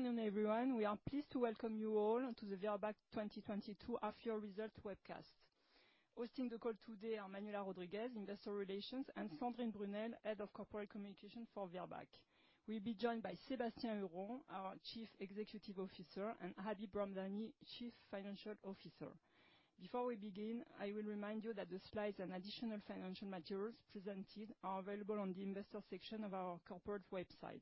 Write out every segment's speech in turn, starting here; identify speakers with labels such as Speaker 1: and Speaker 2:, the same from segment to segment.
Speaker 1: Good afternoon, everyone. We are pleased to welcome you all to the Virbac 2022 Half Year Results Webcast. Hosting the call today are Manuela Rodriguez, Head of Investor Relations, and Sandrine Brunel, Head of Corporate Communications for Virbac. We'll be joined by Sébastien Huron, our Chief Executive Officer, and Habib Ramdani, Chief Financial Officer. Before we begin, I will remind you that the slides and additional financial materials presented are available on the investor section of our corporate website,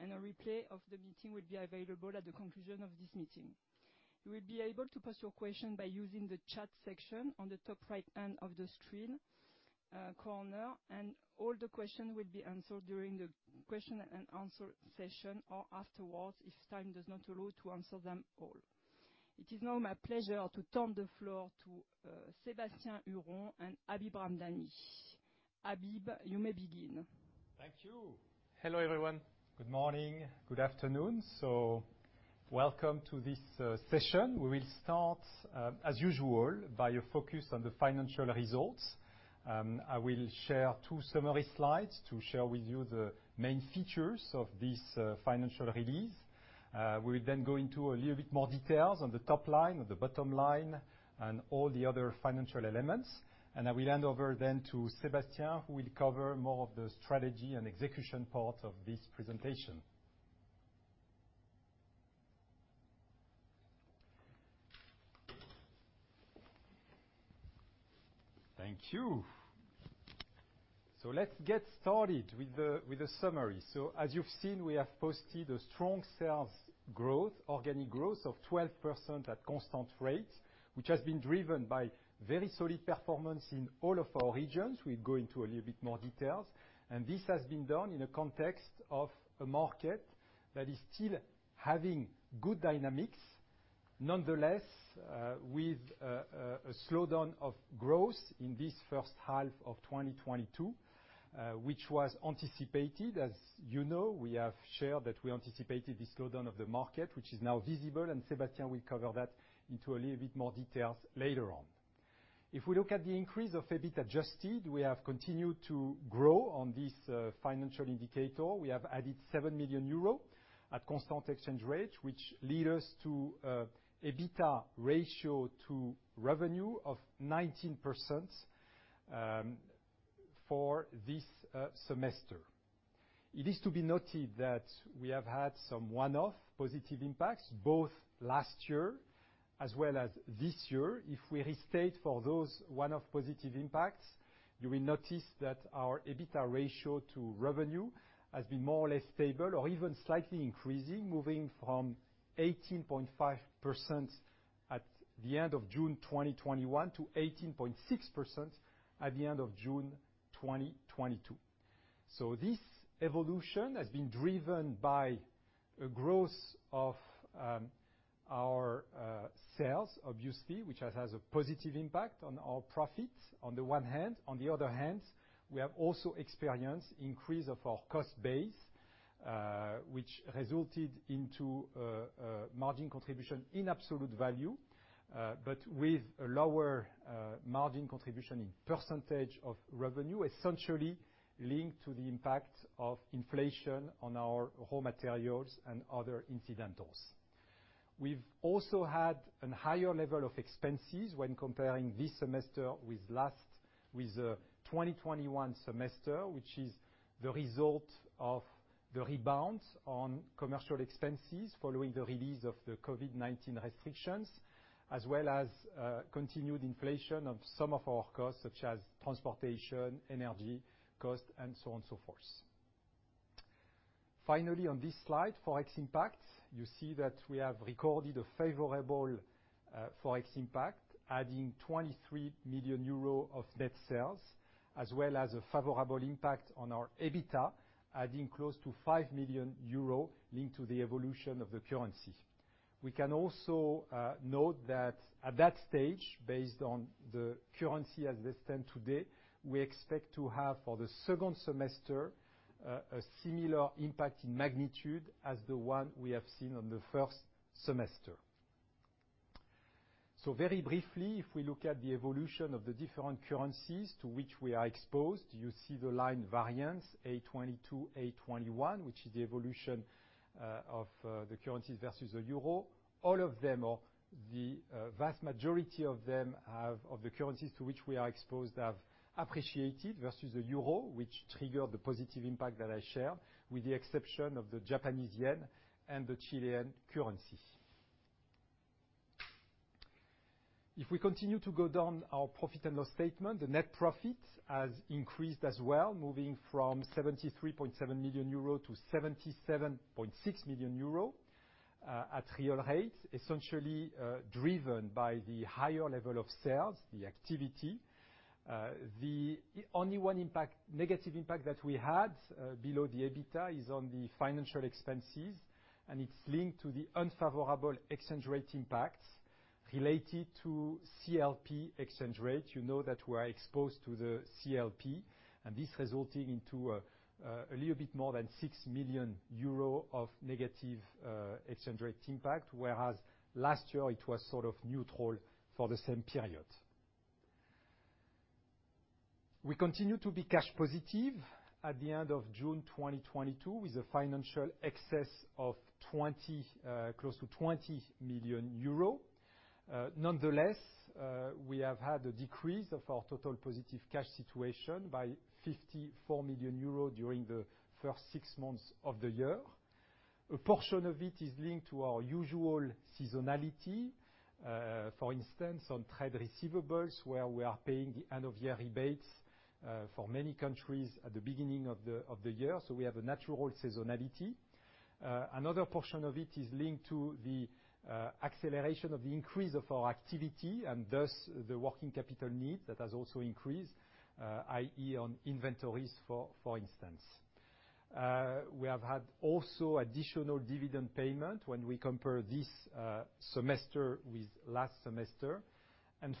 Speaker 1: and a replay of the meeting will be available at the conclusion of this meeting. You will be able to pose your questions by using the chat section on the top right-hand corner of the screen, and all the questions will be answered during the question and answer session, or afterwards, if time does not allow to answer them all. It is now my pleasure to turn the floor to, Sébastien Huron and Habib Ramdani. Habib, you may begin.
Speaker 2: Thank you. Hello, everyone. Good morning. Good afternoon. Welcome to this session. We will start as usual by a focus on the financial results. I will share two summary slides to share with you the main features of this financial release. We'll then go into a little bit more details on the top line or the bottom line, and all the other financial elements. I will hand over then to Sébastien, who will cover more of the strategy and execution part of this presentation. Thank you. Let's get started with the summary. As you've seen, we have posted a strong sales growth, organic growth of 12% at constant rate, which has been driven by very solid performance in all of our regions. We'll go into a little bit more details. This has been done in a context of a market that is still having good dynamics. Nonetheless, with a slowdown of growth in this first half of 2022, which was anticipated. As you know, we have shared that we anticipated the slowdown of the market, which is now visible, and Sébastien will cover that in a little bit more details later on. If we look at the increase of EBIT adjusted, we have continued to grow on this financial indicator. We have added 7 million euro at constant exchange rate, which lead us to EBITDA ratio to revenue of 19%, for this semester. It is to be noted that we have had some one-off positive impacts both last year as well as this year. If we restate for those one-off positive impacts, you will notice that our EBITDA ratio to revenue has been more or less stable or even slightly increasing, moving from 18.5% at the end of June 2021 to 18.6% at the end of June 2022. This evolution has been driven by a growth of our sales obviously, which has a positive impact on our profits on the one hand. On the other hand, we have also experienced increase of our cost base, which resulted into a margin contribution in absolute value, but with a lower margin contribution in percentage of revenue, essentially linked to the impact of inflation on our raw materials and other incidentals. We've also had a higher level of expenses when comparing this semester with the 2021 semester, which is the result of the rebound on commercial expenses following the release of the COVID-19 restrictions, as well as continued inflation of some of our costs such as transportation, energy cost, and so on and so forth. Finally, on this slide, FX impact. You see that we have recorded a favorable FX impact, adding 23 million euro of net sales, as well as a favorable impact on our EBITDA, adding close to 5 million euros linked to the evolution of the currency. We can also note that at that stage, based on the currency as it stand today, we expect to have for the second semester a similar impact in magnitude as the one we have seen on the first semester. Very briefly, if we look at the evolution of the different currencies to which we are exposed, you see the line variance, FY 2022, FY 2021, which is the evolution of the currencies versus the euro. All of them or the vast majority of them, of the currencies to which we are exposed, have appreciated versus the euro, which triggered the positive impact that I share, with the exception of the Japanese yen and the Chilean currency. If we continue to go down our profit and loss statement, the net profit has increased as well, moving from 73.7 million-77.6 million euro, at real rates, essentially, driven by the higher level of sales, the activity. The only negative impact that we had below the EBITDA is on the financial expenses, and it's linked to the unfavorable exchange rate impacts related to CLP exchange rate. You know that we are exposed to the CLP, and this resulting into a little bit more than 6 million euro of negative exchange rate impact. Whereas last year it was sort of neutral for the same period. We continue to be cash positive at the end of June 2022, with a financial excess of close to 20 million euro. Nonetheless, we have had a decrease of our total positive cash situation by 54 million euros during the first six months of the year. A portion of it is linked to our usual seasonality, for instance, on trade receivables, where we are paying the end-of-year rebates, for many countries at the beginning of the year, so we have a natural seasonality. Another portion of it is linked to the acceleration of the increase of our activity and thus the working capital need that has also increased, i.e., on inventories, for instance. We have had also additional dividend payment when we compare this semester with last semester.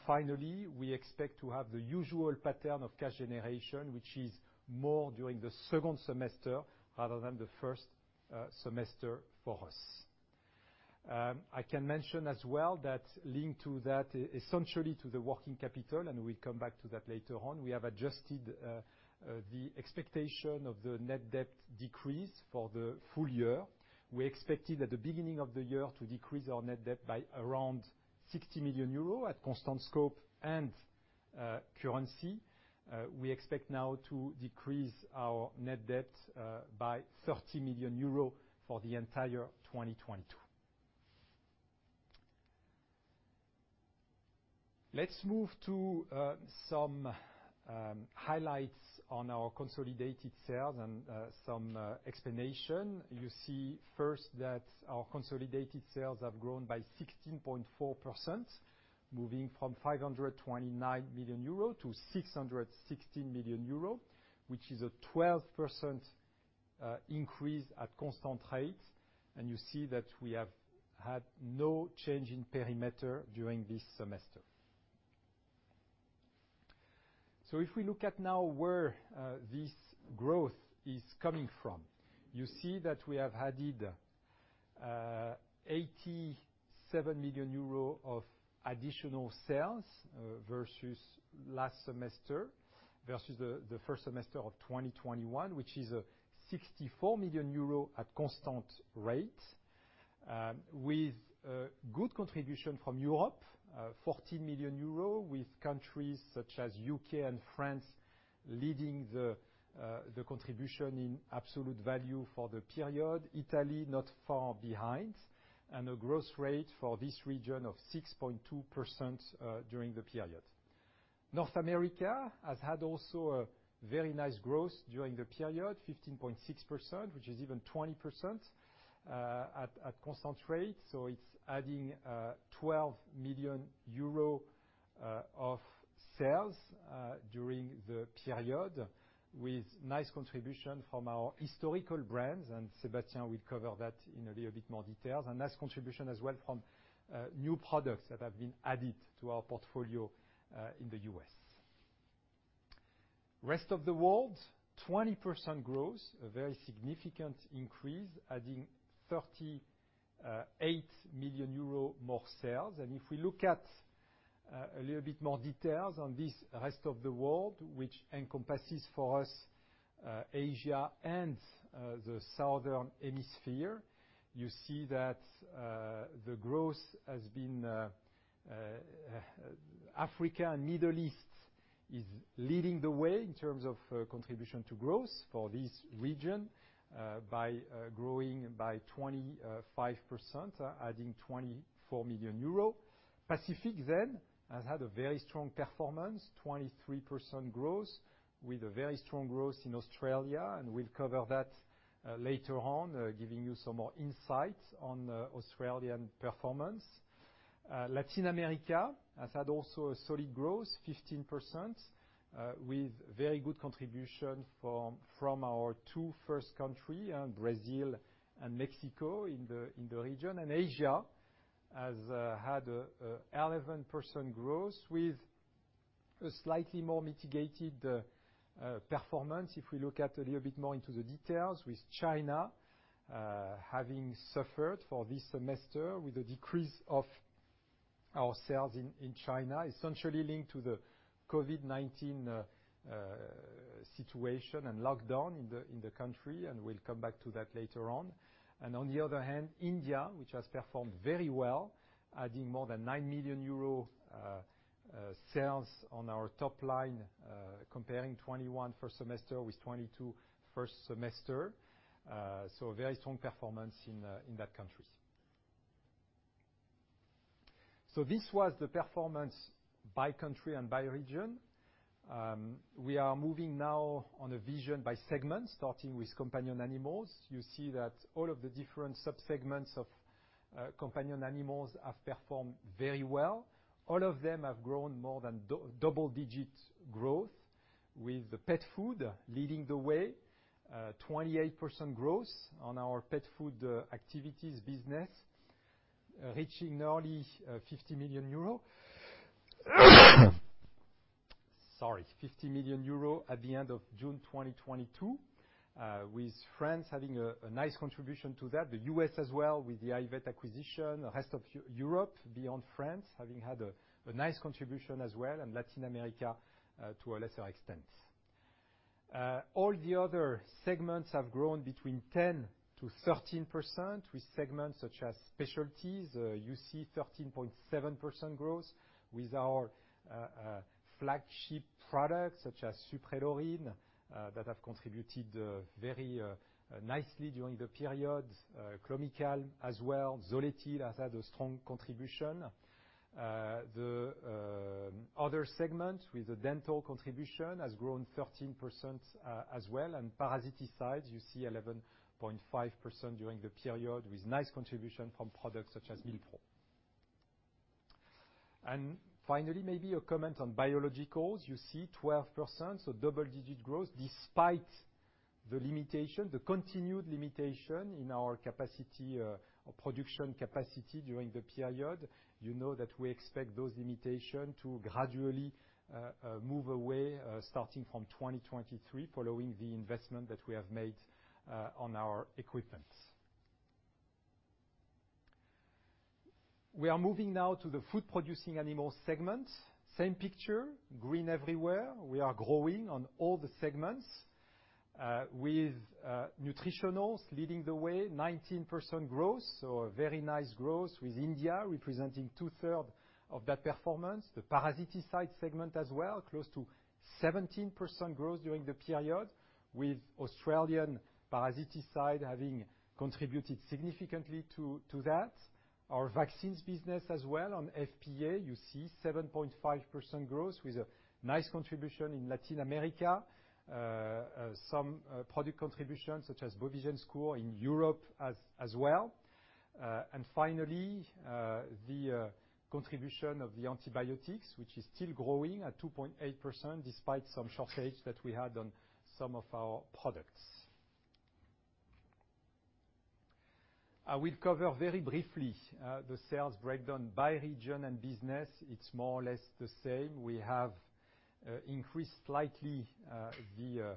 Speaker 2: Finally, we expect to have the usual pattern of cash generation, which is more during the second semester rather than the first semester for us. I can mention as well that linked to that, essentially to the working capital, and we come back to that later on, we have adjusted the expectation of the net debt decrease for the full year. We expected at the beginning of the year to decrease our net debt by around 60 million euro at constant scope and currency. We expect now to decrease our net debt by 30 million euro for the entire 2022. Let's move to some highlights on our consolidated sales and some explanation. You see first that our consolidated sales have grown by 16.4%, moving from 529 million-660 million euro, which is a 12% increase at constant rate. You see that we have had no change in perimeter during this semester. If we look at now where this growth is coming from, you see that we have added 87 million euro of additional sales versus last semester, versus the first semester of 2021, which is a 64 million euro at constant rate, with good contribution from Europe, 14 million euro, with countries such as U.K. and France leading the contribution in absolute value for the period. Italy, not far behind, and a growth rate for this region of 6.2% during the period. North America has had also a very nice growth during the period, 15.6%, which is even 20% at constant rate. It's adding 12 million euro of sales during the period with nice contribution from our historical brands, and Sébastien will cover that in a little bit more details. A nice contribution as well from new products that have been added to our portfolio in the U.S. Rest of the world, 20% growth, a very significant increase, adding 38 million euro more sales. If we look at a little bit more details on this rest of the world, which encompasses for us Asia and the southern hemisphere, you see that the growth has been Africa and Middle East is leading the way in terms of contribution to growth for this region by growing by 25%, adding 24 million euros. Pacific then has had a very strong performance, 23% growth with a very strong growth in Australia, and we'll cover that later on, giving you some more insight on Australian performance. Latin America has had also a solid growth, 15%, with very good contribution from our two first countries, Brazil and Mexico in the region. Asia has had a 11% growth with a slightly more mitigated performance. If we look at a little bit more into the details with China having suffered for this semester with a decrease of our sales in China, essentially linked to the COVID-19 situation and lockdown in the country, and we'll come back to that later on. On the other hand, India, which has performed very well, adding more than 9 million euro sales on our top line, comparing 2021 first semester with 2022 first semester. A very strong performance in that country. This was the performance by country and by region. We are moving now onto a view by segment, starting with companion animals. You see that all of the different subsegments of companion animals have performed very well. All of them have grown more than double-digit growth with the pet food leading the way, 28% growth on our pet food activities business, reaching nearly 50 million euro. Sorry. 50 million euro at the end of June 2022, with France having a nice contribution to that, the U.S. as well with the iVet acquisition, the rest of Europe beyond France having had a nice contribution as well, and Latin America to a lesser extent. All the other segments have grown between 10%-13%, with segments such as specialties, you see 13.7% growth with our flagship products such as Suprelorin that have contributed very nicely during the period. Clomicalm as well. Zoletil has had a strong contribution. The other segment with the dental contribution has grown 13% as well. Parasiticides, you see 11.5% during the period, with nice contribution from products such as Milbemax. Finally, maybe a comment on biologicals. You see 12%, so double-digit growth despite the limitation, the continued limitation in our capacity or production capacity during the period. You know that we expect those limitation to gradually move away starting from 2023 following the investment that we have made on our equipment. We are moving now to the food-producing animals segment. Same picture, green everywhere. We are growing on all the segments with nutritionals leading the way, 19% growth, so a very nice growth with India representing 2/3 of that performance. The parasiticides segment as well, close to 17% growth during the period, with Australian parasiticides having contributed significantly to that. Our vaccines business as well on FPA, you see 7.5% growth with a nice contribution in Latin America. Some product contributions such as Bovigen Scour in Europe as well. Finally, the contribution of the antibiotics, which is still growing at 2.8% despite some shortage that we had on some of our products. I will cover very briefly the sales breakdown by region and business. It's more or less the same. We have increased slightly the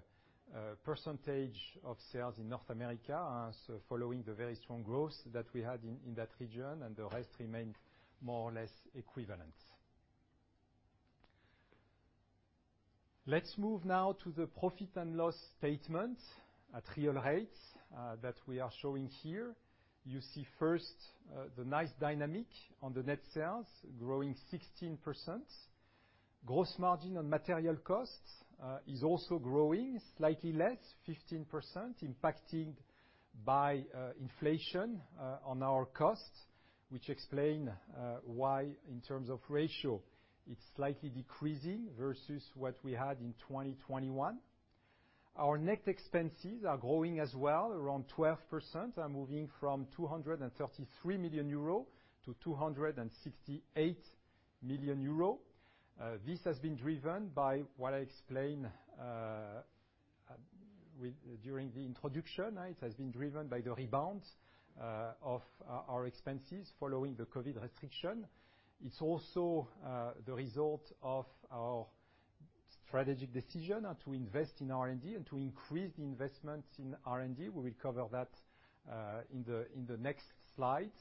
Speaker 2: percentage of sales in North America, so following the very strong growth that we had in that region, and the rest remained more or less equivalent. Let's move now to the profit and loss statement at real rates that we are showing here. You see first the nice dynamic on the net sales growing 16%. Gross margin on material costs is also growing slightly less, 15%, impacted by inflation on our costs, which explain why in terms of ratio it's slightly decreasing versus what we had in 2021. Our net expenses are growing as well, around 12%, and moving from 233 million-268 million euro. This has been driven by what I explained during the introduction. It has been driven by the rebound of our expenses following the COVID restriction. It's also the result of our strategic decision to invest in R&D and to increase the investments in R&D. We will cover that in the next slide.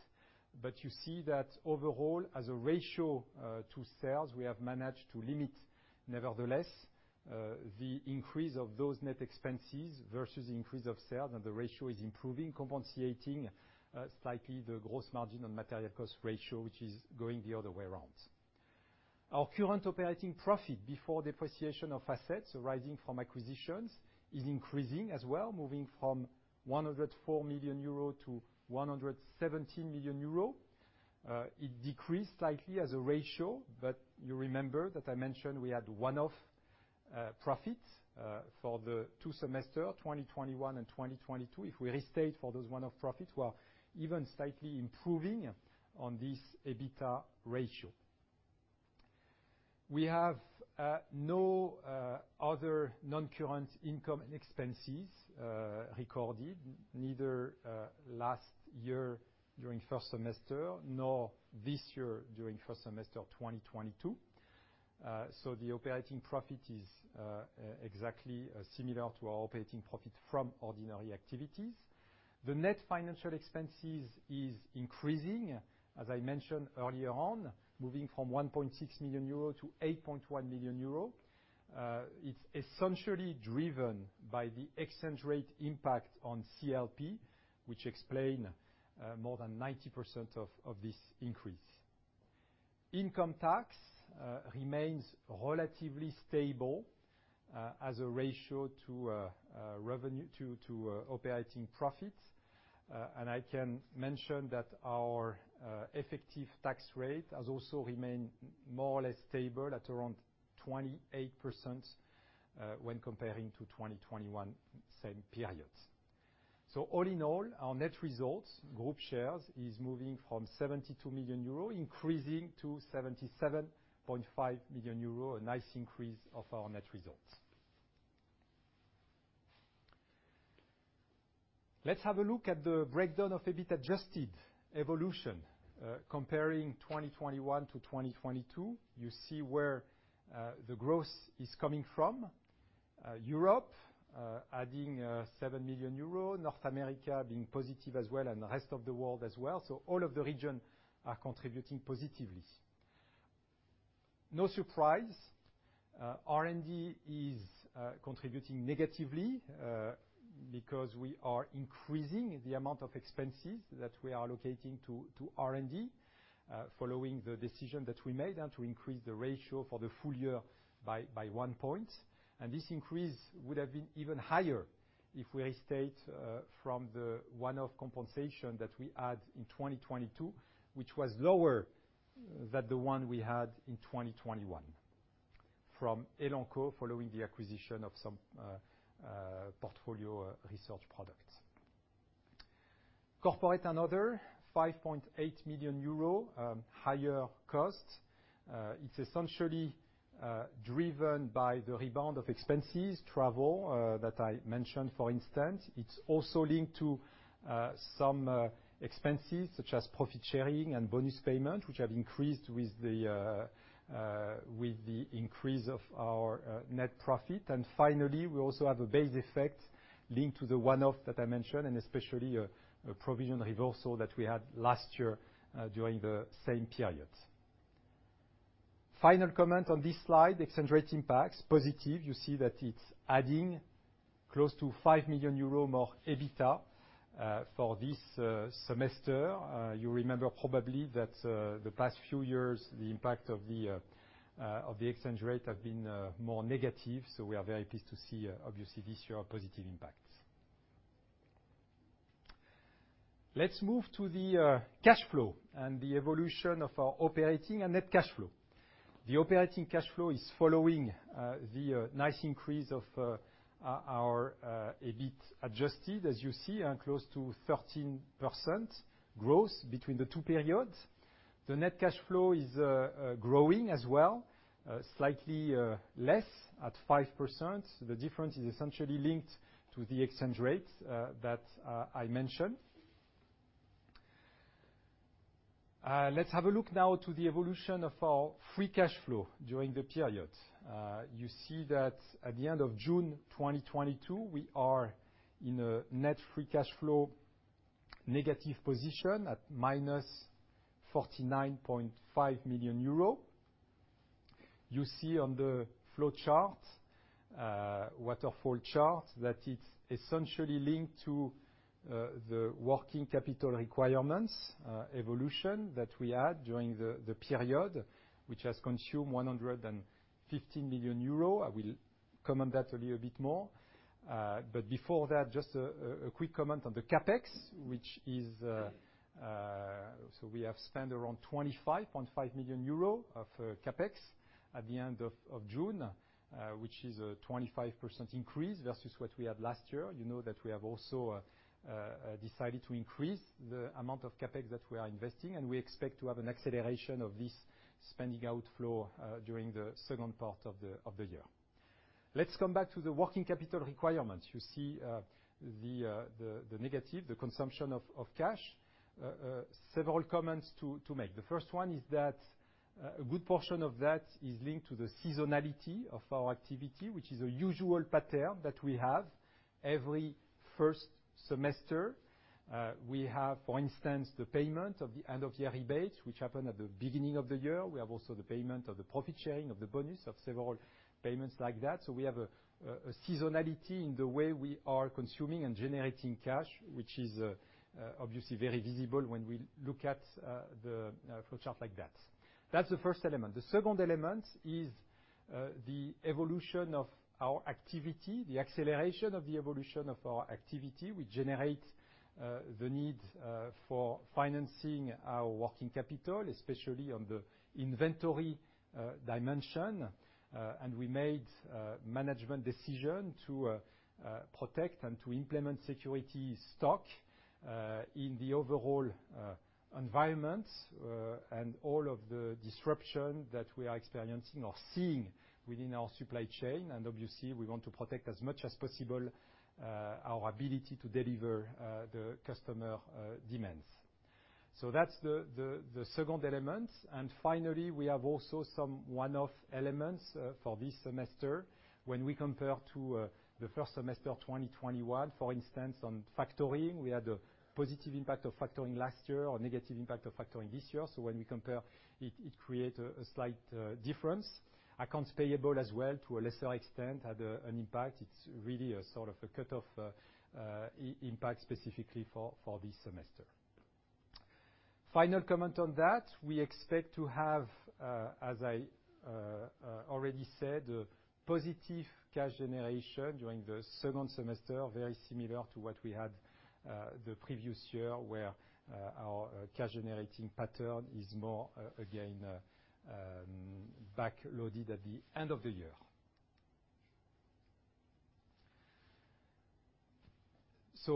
Speaker 2: You see that overall, as a ratio, to sales, we have managed to limit, nevertheless, the increase of those net expenses versus the increase of sales, and the ratio is improving, compensating, slightly the gross margin on material cost ratio, which is going the other way around. Our current operating profit before depreciation of assets arising from acquisitions is increasing as well, moving from 104 million-117 million euro. It decreased slightly as a ratio, but you remember that I mentioned we had one-off profits for the two semesters, 2021 and 2022. If we restate for those one-off profits, we are even slightly improving on this EBITDA ratio. We have no other non-current income and expenses recorded, neither last year during first semester, nor this year during first semester of 2022. The operating profit is exactly similar to our operating profit from ordinary activities. The net financial expenses is increasing, as I mentioned earlier on, moving from 1.6 million-8.1 million euro. It's essentially driven by the exchange rate impact on CLP, which explain more than 90% of this increase. Income tax remains relatively stable as a ratio to revenue to operating profits. I can mention that our effective tax rate has also remained more or less stable at around 28%, when comparing to 2021 same periods. All in all, our net results, group shares, is moving from 72 million euro, increasing to 77.5 million euro, a nice increase of our net results. Let's have a look at the breakdown of EBIT adjusted evolution, comparing 2021 to 2022. You see where the growth is coming from. Europe adding 7 million euros, North America being positive as well, and the rest of the world as well. All of the region are contributing positively. No surprise, R&D is contributing negatively, because we are increasing the amount of expenses that we are allocating to R&D, following the decision that we made and to increase the ratio for the full year by 1 point. This increase would have been even higher if we restate from the one-off compensation that we had in 2022, which was lower than the one we had in 2021 from Elanco following the acquisition of some portfolio research products. Corporate and other, 5.8 million euro higher costs. It's essentially driven by the rebound of expenses, travel that I mentioned, for instance. It's also linked to some expenses such as profit sharing and bonus payments, which have increased with the increase of our net profit. Finally, we also have a base effect linked to the one-off that I mentioned, and especially a provision reversal that we had last year during the same period. Final comment on this slide, exchange rate impacts, positive. You see that it's adding close to 5 million euro more EBITDA for this semester. You remember probably that the past few years, the impact of the exchange rate have been more negative, so we are very pleased to see, obviously, this year a positive impact. Let's move to the cash flow and the evolution of our operating and net cash flow. The operating cash flow is following the nice increase of our EBIT adjusted, as you see, and close to 13% growth between the two periods. The net cash flow is growing as well, slightly less at 5%. The difference is essentially linked to the exchange rate that I mentioned. Let's have a look now to the evolution of our free cash flow during the period. You see that at the end of June 2022, we are in a net free cash flow negative position at -49.5 million euro. You see on the cash flow chart, waterfall chart, that it's essentially linked to the working capital requirements evolution that we had during the period, which has consumed 150 million euros. I will comment that a little bit more. Before that, just a quick comment on the CapEx, which is, so we have spent around 25.5 million euro of CapEx at the end of June, which is a 25% increase versus what we had last year. You know that we have also decided to increase the amount of CapEx that we are investing, and we expect to have an acceleration of this spending outflow during the second part of the year. Let's come back to the working capital requirements. You see the negative consumption of cash. Several comments to make. The first one is that a good portion of that is linked to the seasonality of our activity, which is a usual pattern that we have. Every first semester we have, for instance, the payment of the end-of-year rebates, which happen at the beginning of the year. We have also the payment of the profit sharing, of the bonus, of several payments like that. We have a seasonality in the way we are consuming and generating cash, which is obviously very visible when we look at the flow chart like that. That's the first element. The second element is the evolution of our activity, the acceleration of the evolution of our activity, which generates the need for financing our working capital, especially on the inventory dimension. We made management decision to protect and to implement security stock in the overall environment and all of the disruption that we are experiencing or seeing within our supply chain. Obviously, we want to protect as much as possible our ability to deliver the customer demands. That's the second element. Finally, we have also some one-off elements for this semester. When we compare to the first semester of 2021, for instance, on factoring, we had a positive impact of factoring last year or negative impact of factoring this year. When we compare, it creates a slight difference. Accounts payable as well, to a lesser extent, had an impact. It's really a sort of a cutoff impact specifically for this semester. Final comment on that. We expect to have, as I already said, a positive cash generation during the second semester, very similar to what we had the previous year, where our cash-generating pattern is more backloaded at the end of the year.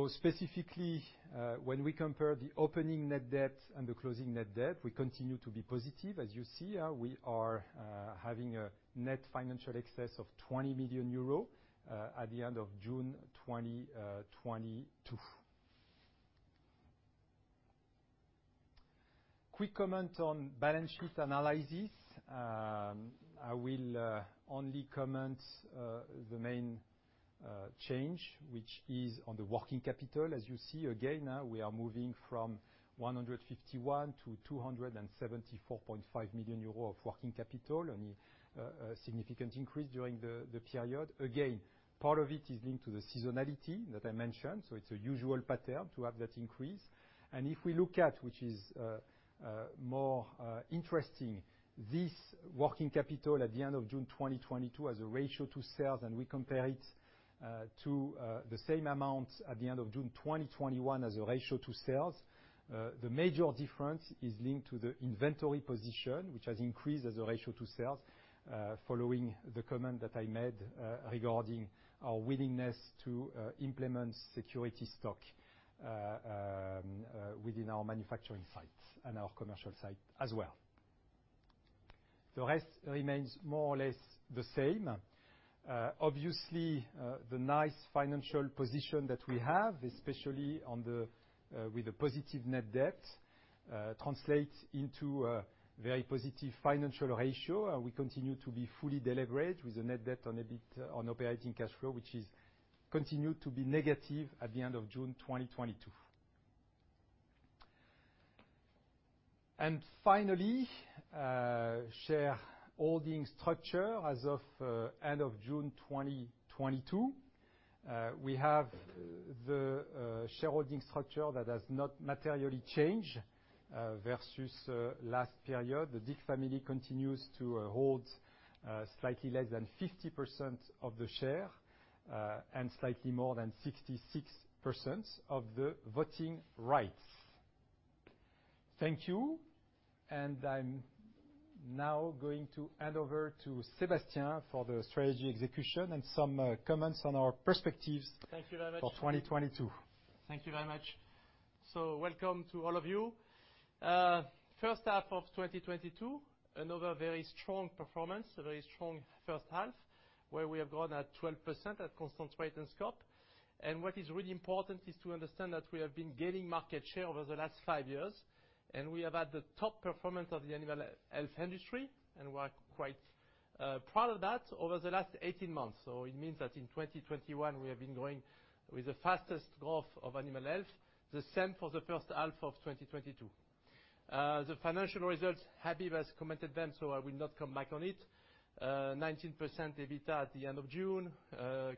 Speaker 2: Specifically, when we compare the opening net debt and the closing net debt, we continue to be positive. As you see, we are having a net financial excess of 20 million euro at the end of June 2022. Quick comment on balance sheet analysis. I will only comment the main change, which is on the working capital. As you see again now we are moving from 151 million-274.5 million euros of working capital, and a significant increase during the period. Again, part of it is linked to the seasonality that I mentioned, so it's a usual pattern to have that increase. If we look at what is more interesting, this working capital at the end of June 2022 as a ratio to sales, and we compare it to the same amount at the end of June 2021 as a ratio to sales, the major difference is linked to the inventory position, which has increased as a ratio to sales, following the comment that I made regarding our willingness to implement safety stock within our manufacturing sites and our commercial site as well. The rest remains more or less the same. Obviously, the nice financial position that we have, especially with the negative net debt, translates into a very positive financial ratio. We continue to be fully deleveraged with a net debt on operating cash flow, which continues to be negative at the end of June 2022. Finally, shareholding structure as of end of June 2022. We have the shareholding structure that has not materially changed versus last period. The Dick family continues to hold slightly less than 50% of the shares and slightly more than 66% of the voting rights. Thank you. I'm now going to hand over to Sébastien for the strategy execution and some comments on our perspectives.
Speaker 3: Thank you very much.
Speaker 2: for 2022.
Speaker 3: Thank you very much. Welcome to all of you. First half of 2022, another very strong performance, a very strong first half, where we have grown at 12% at constant rate and scope. What is really important is to understand that we have been gaining market share over the last five years, and we have had the top performance of the animal health industry, and we are quite proud of that over the last 18 months. It means that in 2021 we have been growing with the fastest growth of animal health, the same for the first half of 2022. The financial results, Habib has commented them, so I will not come back on it. 19% EBITDA at the end of June,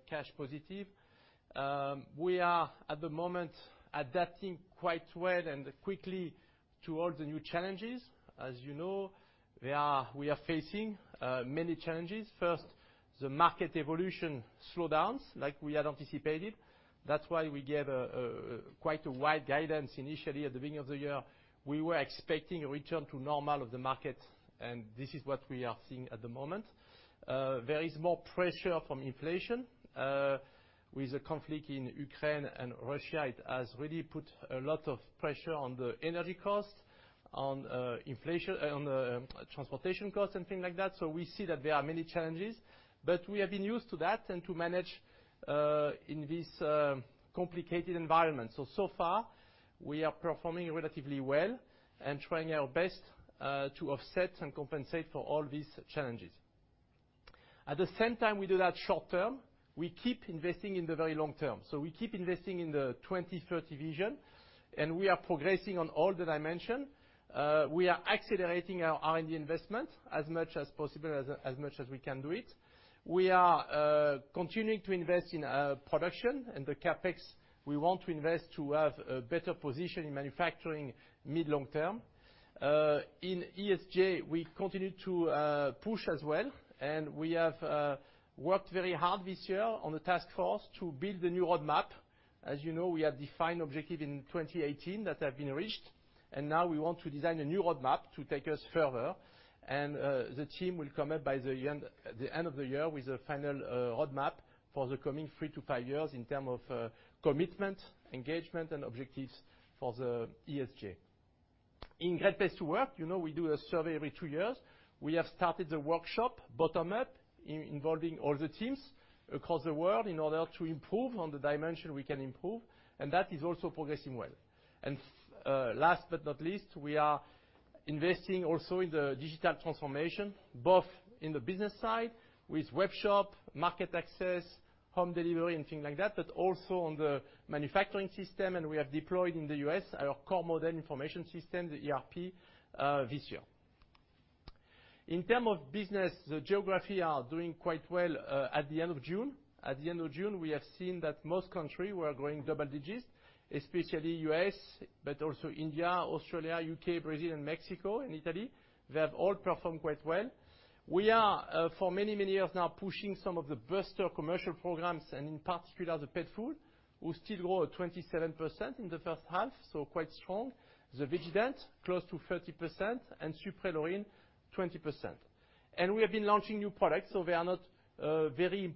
Speaker 3: cash positive. We are at the moment adapting quite well and quickly to all the new challenges. As you know, we are facing many challenges. First, the market evolution slowdowns, like we had anticipated. That's why we gave quite a wide guidance initially at the beginning of the year. We were expecting a return to normal of the market, and this is what we are seeing at the moment. There is more pressure from inflation. With the conflict in Ukraine and Russia, it has really put a lot of pressure on the energy costs, on inflation, on transportation costs and things like that. We see that there are many challenges. We have been used to that and to manage in this complicated environment. So far, we are performing relatively well and trying our best to offset and compensate for all these challenges. At the same time we do that short term, we keep investing in the very long term. We keep investing in the 2030 vision, and we are progressing on all the dimension. We are accelerating our R&D investment as much as possible, as much as we can do it. We are continuing to invest in production and the CapEx we want to invest to have a better position in manufacturing mid, long term. In ESG, we continue to push as well, and we have worked very hard this year on the task force to build the new roadmap. As you know, we had defined objective in 2018 that have been reached, and now we want to design a new roadmap to take us further. The team will come up by the end of the year with a final roadmap for the coming three to five years in terms of commitment, engagement, and objectives for the ESG. In Great Place to Work, you know we do a survey every two years. We have started workshops bottom-up involving all the teams across the world in order to improve on the dimensions we can improve, and that is also progressing well. Last but not least, we are investing also in the digital transformation, both in the business side with webshop, market access, home delivery and things like that, but also on the manufacturing system. We have deployed in the US our core model information system, the ERP, this year. In terms of business, the geographies are doing quite well at the end of June. At the end of June, we have seen that most countries were growing double digits, especially U.S., but also India, Australia, U.K., Brazil, and Mexico and Italy. They have all performed quite well. We are for many, many years now pushing some of the booster commercial programs, and in particular, the pet food, who still grow at 27% in the first half, so quite strong. The VEGGIEDENT close to 30%, and Suprelorin 20%. We have been launching new products, so they are not very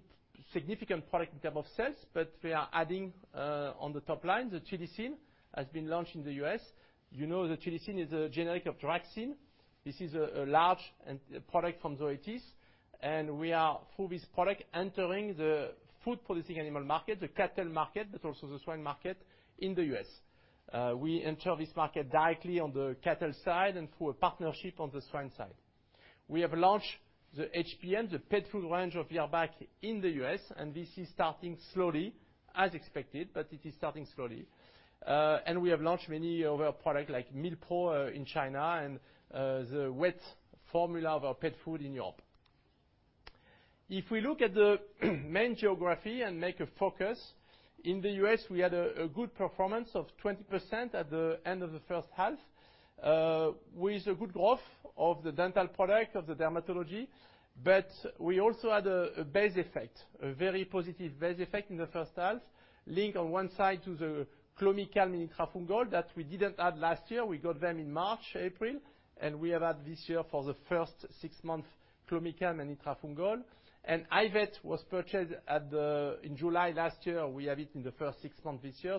Speaker 3: significant product in terms of sales, but we are adding on the top line. The Tulissin has been launched in the U.S. You know that Tulissin is a generic of Draxxin. This is a large R&D product from the 1980s, and we are through this product entering the food-producing animal market, the cattle market, but also the swine market in the U.S. We enter this market directly on the cattle side and through a partnership on the swine side. We have launched the HPM, the pet food range of Virbac in the U.S., and this is starting slowly as expected, but it is starting slowly. We have launched many of our products like Milpro in China and the wet formula of our pet food in Europe. If we look at the main geographies and make a focus, in the U.S., we had a good performance of 20% at the end of the first half, with a good growth of the dental product, of the dermatology. We also had a base effect, a very positive base effect in the first half, linked on one side to the Clomicalm and Itrafungol that we didn't have last year. We got them in March, April, and we have had this year for the first six months, Clomicalm and Itrafungol. iVet was purchased in July last year. We have it in the first six months this year.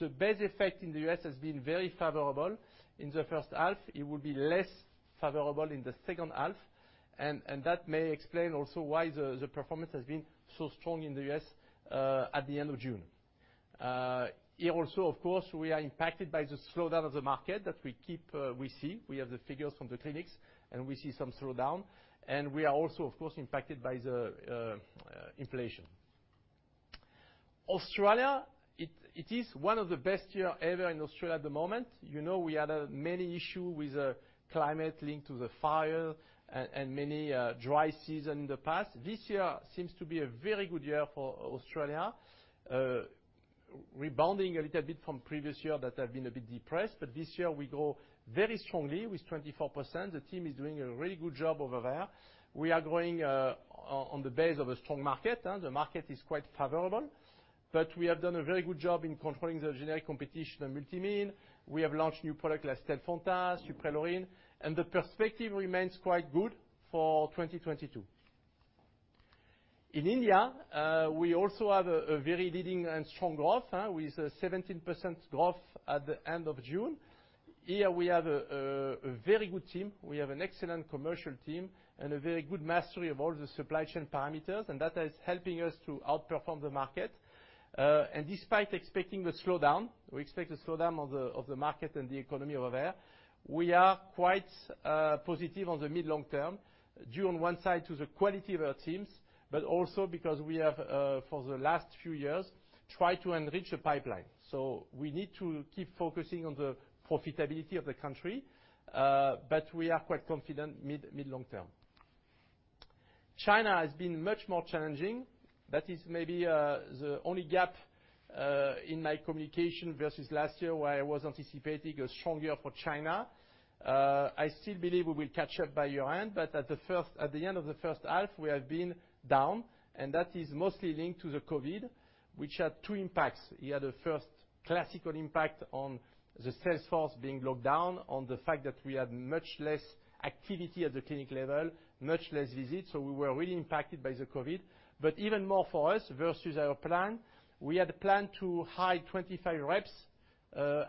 Speaker 3: The base effect in the U.S. has been very favorable in the first half. It will be less favorable in the second half, and that may explain also why the performance has been so strong in the U.S. at the end of June. Here also, of course, we are impacted by the slowdown of the market that we see. We have the figures from the clinics, and we see some slowdown. We are also, of course, impacted by the inflation. Australia is one of the best years ever in Australia at the moment. You know, we had many issues with climate linked to the fires and many dry seasons in the past. This year seems to be a very good year for Australia, rebounding a little bit from previous years that have been a bit depressed. This year we grow very strongly with 24%. The team is doing a really good job over there. We are growing on the basis of a strong market. The market is quite favorable, but we have done a very good job in controlling the generic competition on Multimin. We have launched new product like Stelfonta, Suprelorin, and the perspective remains quite good for 2022. In India, we also have a very leading and strong growth with a 17% growth at the end of June. Here we have a very good team. We have an excellent commercial team and a very good mastery of all the supply chain parameters, and that is helping us to outperform the market. Despite expecting a slowdown, we expect a slowdown of the market and the economy over there. We are quite positive on the mid-long term, due on one side to the quality of our teams, but also because we have for the last few years tried to enrich the pipeline. We need to keep focusing on the profitability of the country, but we are quite confident mid long term. China has been much more challenging. That is maybe the only gap in my communication versus last year, where I was anticipating a strong year for China. I still believe we will catch up by year-end, but at the end of the first half, we have been down, and that is mostly linked to the COVID, which had two impacts. You had a first classical impact on the sales force being locked down, on the fact that we had much less activity at the clinic level, much less visits. We were really impacted by the COVID. Even more for us versus our plan, we had planned to hire 25 reps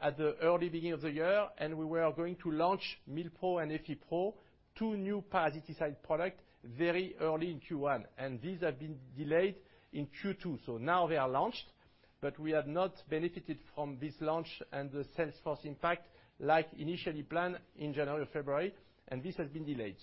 Speaker 3: at the early beginning of the year, and we were going to launch Milpro and Effipro, two new parasiticide product, very early in Q1. These have been delayed in Q2. Now they are launched, but we have not benefited from this launch and the sales force impact like initially planned in January, February, and this has been delayed.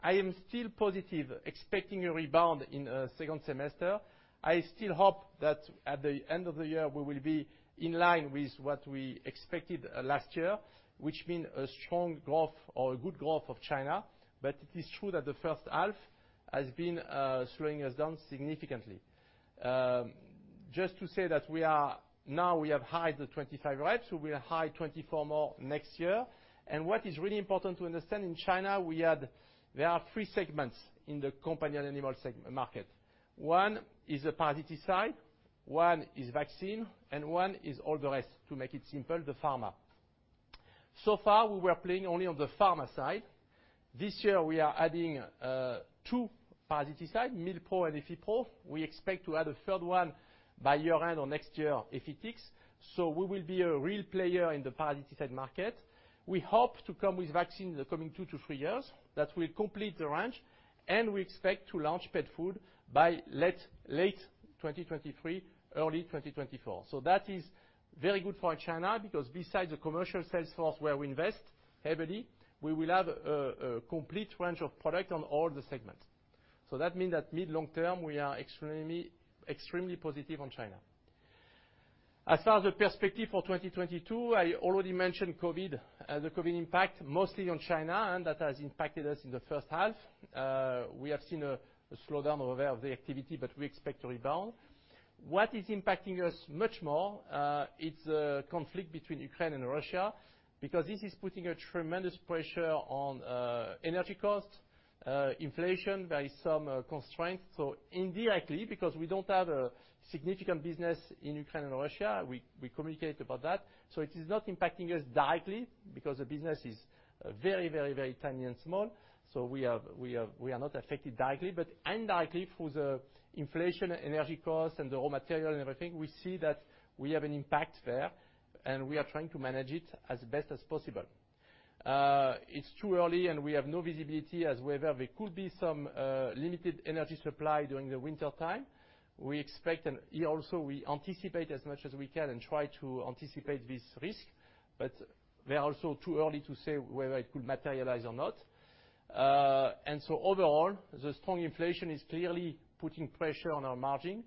Speaker 3: I am still positive, expecting a rebound in second semester. I still hope that at the end of the year, we will be in line with what we expected last year, which mean a strong growth or a good growth of China. It is true that the first half has been slowing us down significantly. Just to say that now we have hired the 25 reps, so we'll hire 24 more next year. What is really important to understand in China, there are three segments in the companion animal market. One is a parasiticide, one is vaccine, and one is all the rest, to make it simple, the pharma. So far, we were playing only on the pharma side. This year, we are adding two parasiticide, Milpro and Effipro. We expect to add a third one by year-end or next year, Effitix. So we will be a real player in the parasiticide market. We hope to come with vaccine in the coming two-three years. That will complete the range. We expect to launch pet food by late 2023, early 2024. That is very good for China, because besides the commercial sales force where we invest heavily, we will have a complete range of product on all the segments. That mean that mid, long term, we are extremely positive on China. As far as the perspective for 2022, I already mentioned COVID, the COVID impact, mostly on China, and that has impacted us in the first half. We have seen a slowdown over there of the activity, but we expect to rebound. What is impacting us much more, it's a conflict between Ukraine and Russia, because this is putting a tremendous pressure on energy costs, inflation. There is some constraint. Indirectly, because we don't have a significant business in Ukraine and Russia, we communicate about that. It is not impacting us directly because the business is very tiny and small. We are not affected directly, but indirectly through the inflation, energy costs, and the raw material and everything, we see that we have an impact there, and we are trying to manage it as best as possible. It's too early, and we have no visibility as to whether there could be some limited energy supply during the wintertime. We expect, we anticipate as much as we can and try to anticipate this risk, but it is also too early to say whether it could materialize or not. Overall, the strong inflation is clearly putting pressure on our margin.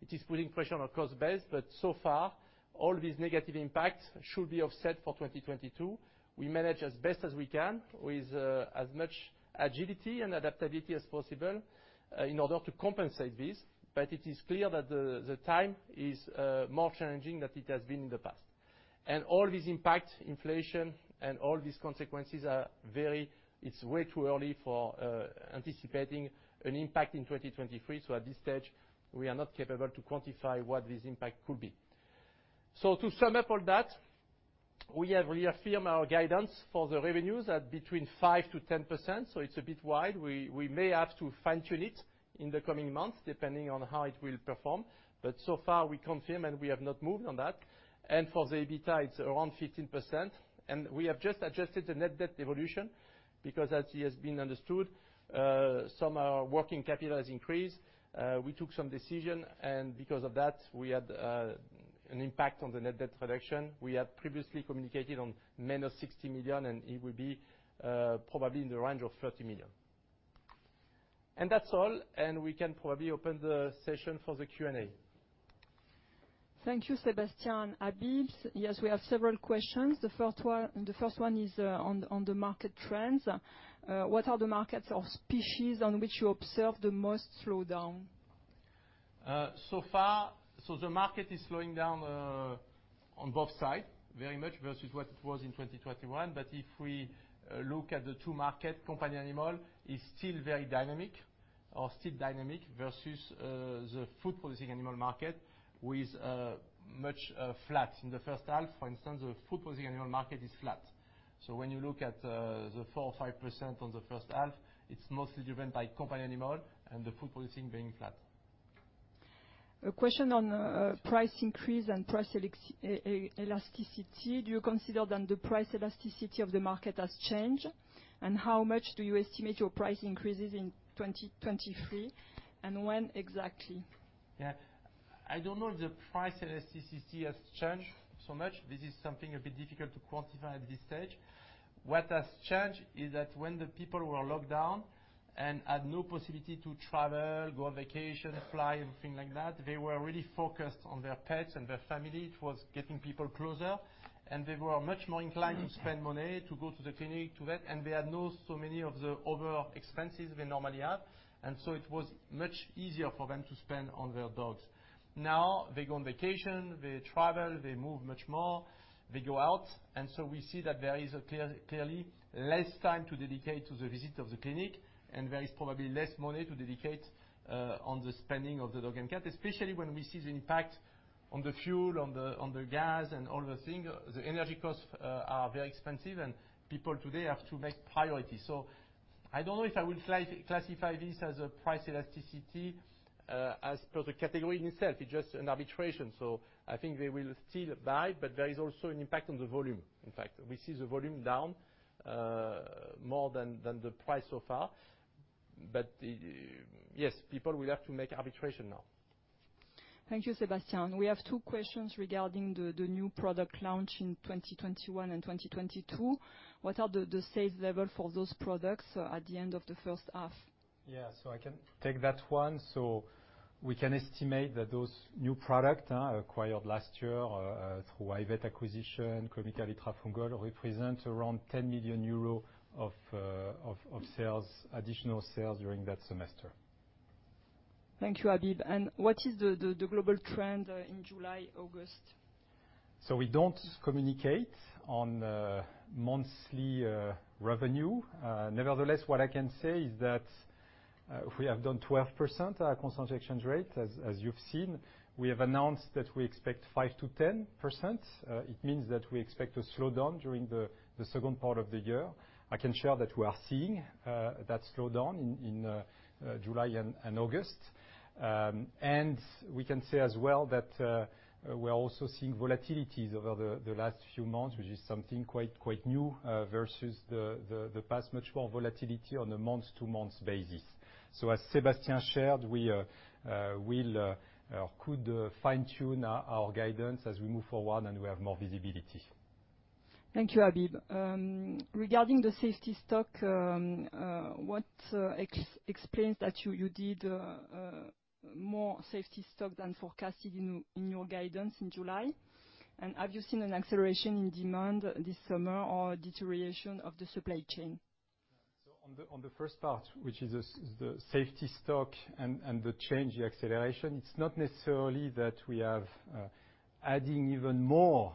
Speaker 3: It is putting pressure on our cost base, but so far, all these negative impacts should be offset for 2022. We manage as best as we can with as much agility and adaptability as possible in order to compensate this. It is clear that the time is more challenging than it has been in the past. All these impacts, inflation and all these consequences are very. It's way too early for anticipating an impact in 2023. At this stage, we are not capable to quantify what this impact could be. To sum up all that, we have reaffirmed our guidance for the revenues at between 5%-10%, so it's a bit wide. We may have to fine-tune it in the coming months, depending on how it will perform. So far, we confirm, and we have not moved on that. For the EBITDA, it's around 15%. We have just adjusted the net debt evolution because as it has been understood, some working capital has increased. We took some decision, and because of that, we had an impact on the net debt reduction. We had previously communicated on -60 million, and it will be probably in the range of 30 million. That's all, and we can probably open the session for the Q&A.
Speaker 1: Thank you, Sébastien. Habib. Yes, we have several questions. The first one is on the market trends. What are the markets or species on which you observe the most slowdown?
Speaker 3: So far, the market is slowing down on both sides very much versus what it was in 2021. If we look at the two markets, companion animal is still very dynamic versus the food-producing animal market, with much flatter. In the first half, for instance, the food-producing animal market is flat. When you look at the 4% or 5% on the first half, it's mostly driven by companion animal and the food-producing being flat.
Speaker 1: A question on price increase and price elasticity. Do you consider then the price elasticity of the market has changed? How much do you estimate your price increases in 2023, and when exactly?
Speaker 3: Yeah. I don't know if the price elasticity has changed so much. This is something a bit difficult to quantify at this stage. What has changed is that when the people were locked down and had no possibility to travel, go on vacation, fly, anything like that, they were really focused on their pets and their family. It was getting people closer, and they were much more inclined to spend money, to go to the clinic, to vet, and they had not so many of the other expenses they normally have. It was much easier for them to spend on their dogs. Now they go on vacation, they travel, they move much more, they go out, and so we see that there is clearly less time to dedicate to the visit of the clinic, and there is probably less money to dedicate on the spending of the dog and cat, especially when we see the impact on the fuel, on the gas and all the things. The energy costs are very expensive, and people today have to make priorities. I don't know if I would classify this as a price elasticity, as per the category itself. It's just an arbitration. I think they will still buy, but there is also an impact on the volume, in fact. We see the volume down more than the price so far. Yes, people will have to make arbitration now.
Speaker 1: Thank you, Sébastien. We have two questions regarding the new product launch in 2021 and 2022. What are the sales level for those products at the end of the first half?
Speaker 2: I can take that one. We can estimate that those new product acquired last year through iVet acquisition, Clomicalm, Itrafungol, represent around EUR 10 million of sales, additional sales during that semester.
Speaker 1: Thank you, Habib. What is the global trend in July, August?
Speaker 2: We don't communicate on monthly revenue. Nevertheless, what I can say is that we have done 12% constant exchange rate. As you've seen, we have announced that we expect 5%-10%. It means that we expect to slow down during the second part of the year. I can share that we are seeing that slowdown in July and August. We can say as well that we are also seeing volatilities over the last few months, which is something quite new versus the past. Much more volatility on a month-to-month basis. As Sébastien Huron shared, we could fine-tune our guidance as we move forward and we have more visibility.
Speaker 1: Thank you, Habib. Regarding the safety stock, what explains that you did more safety stock than forecasted in your guidance in July? Have you seen an acceleration in demand this summer or deterioration of the supply chain?
Speaker 2: On the first part, which is the safety stock and the change, the acceleration, it's not necessarily that we have adding even more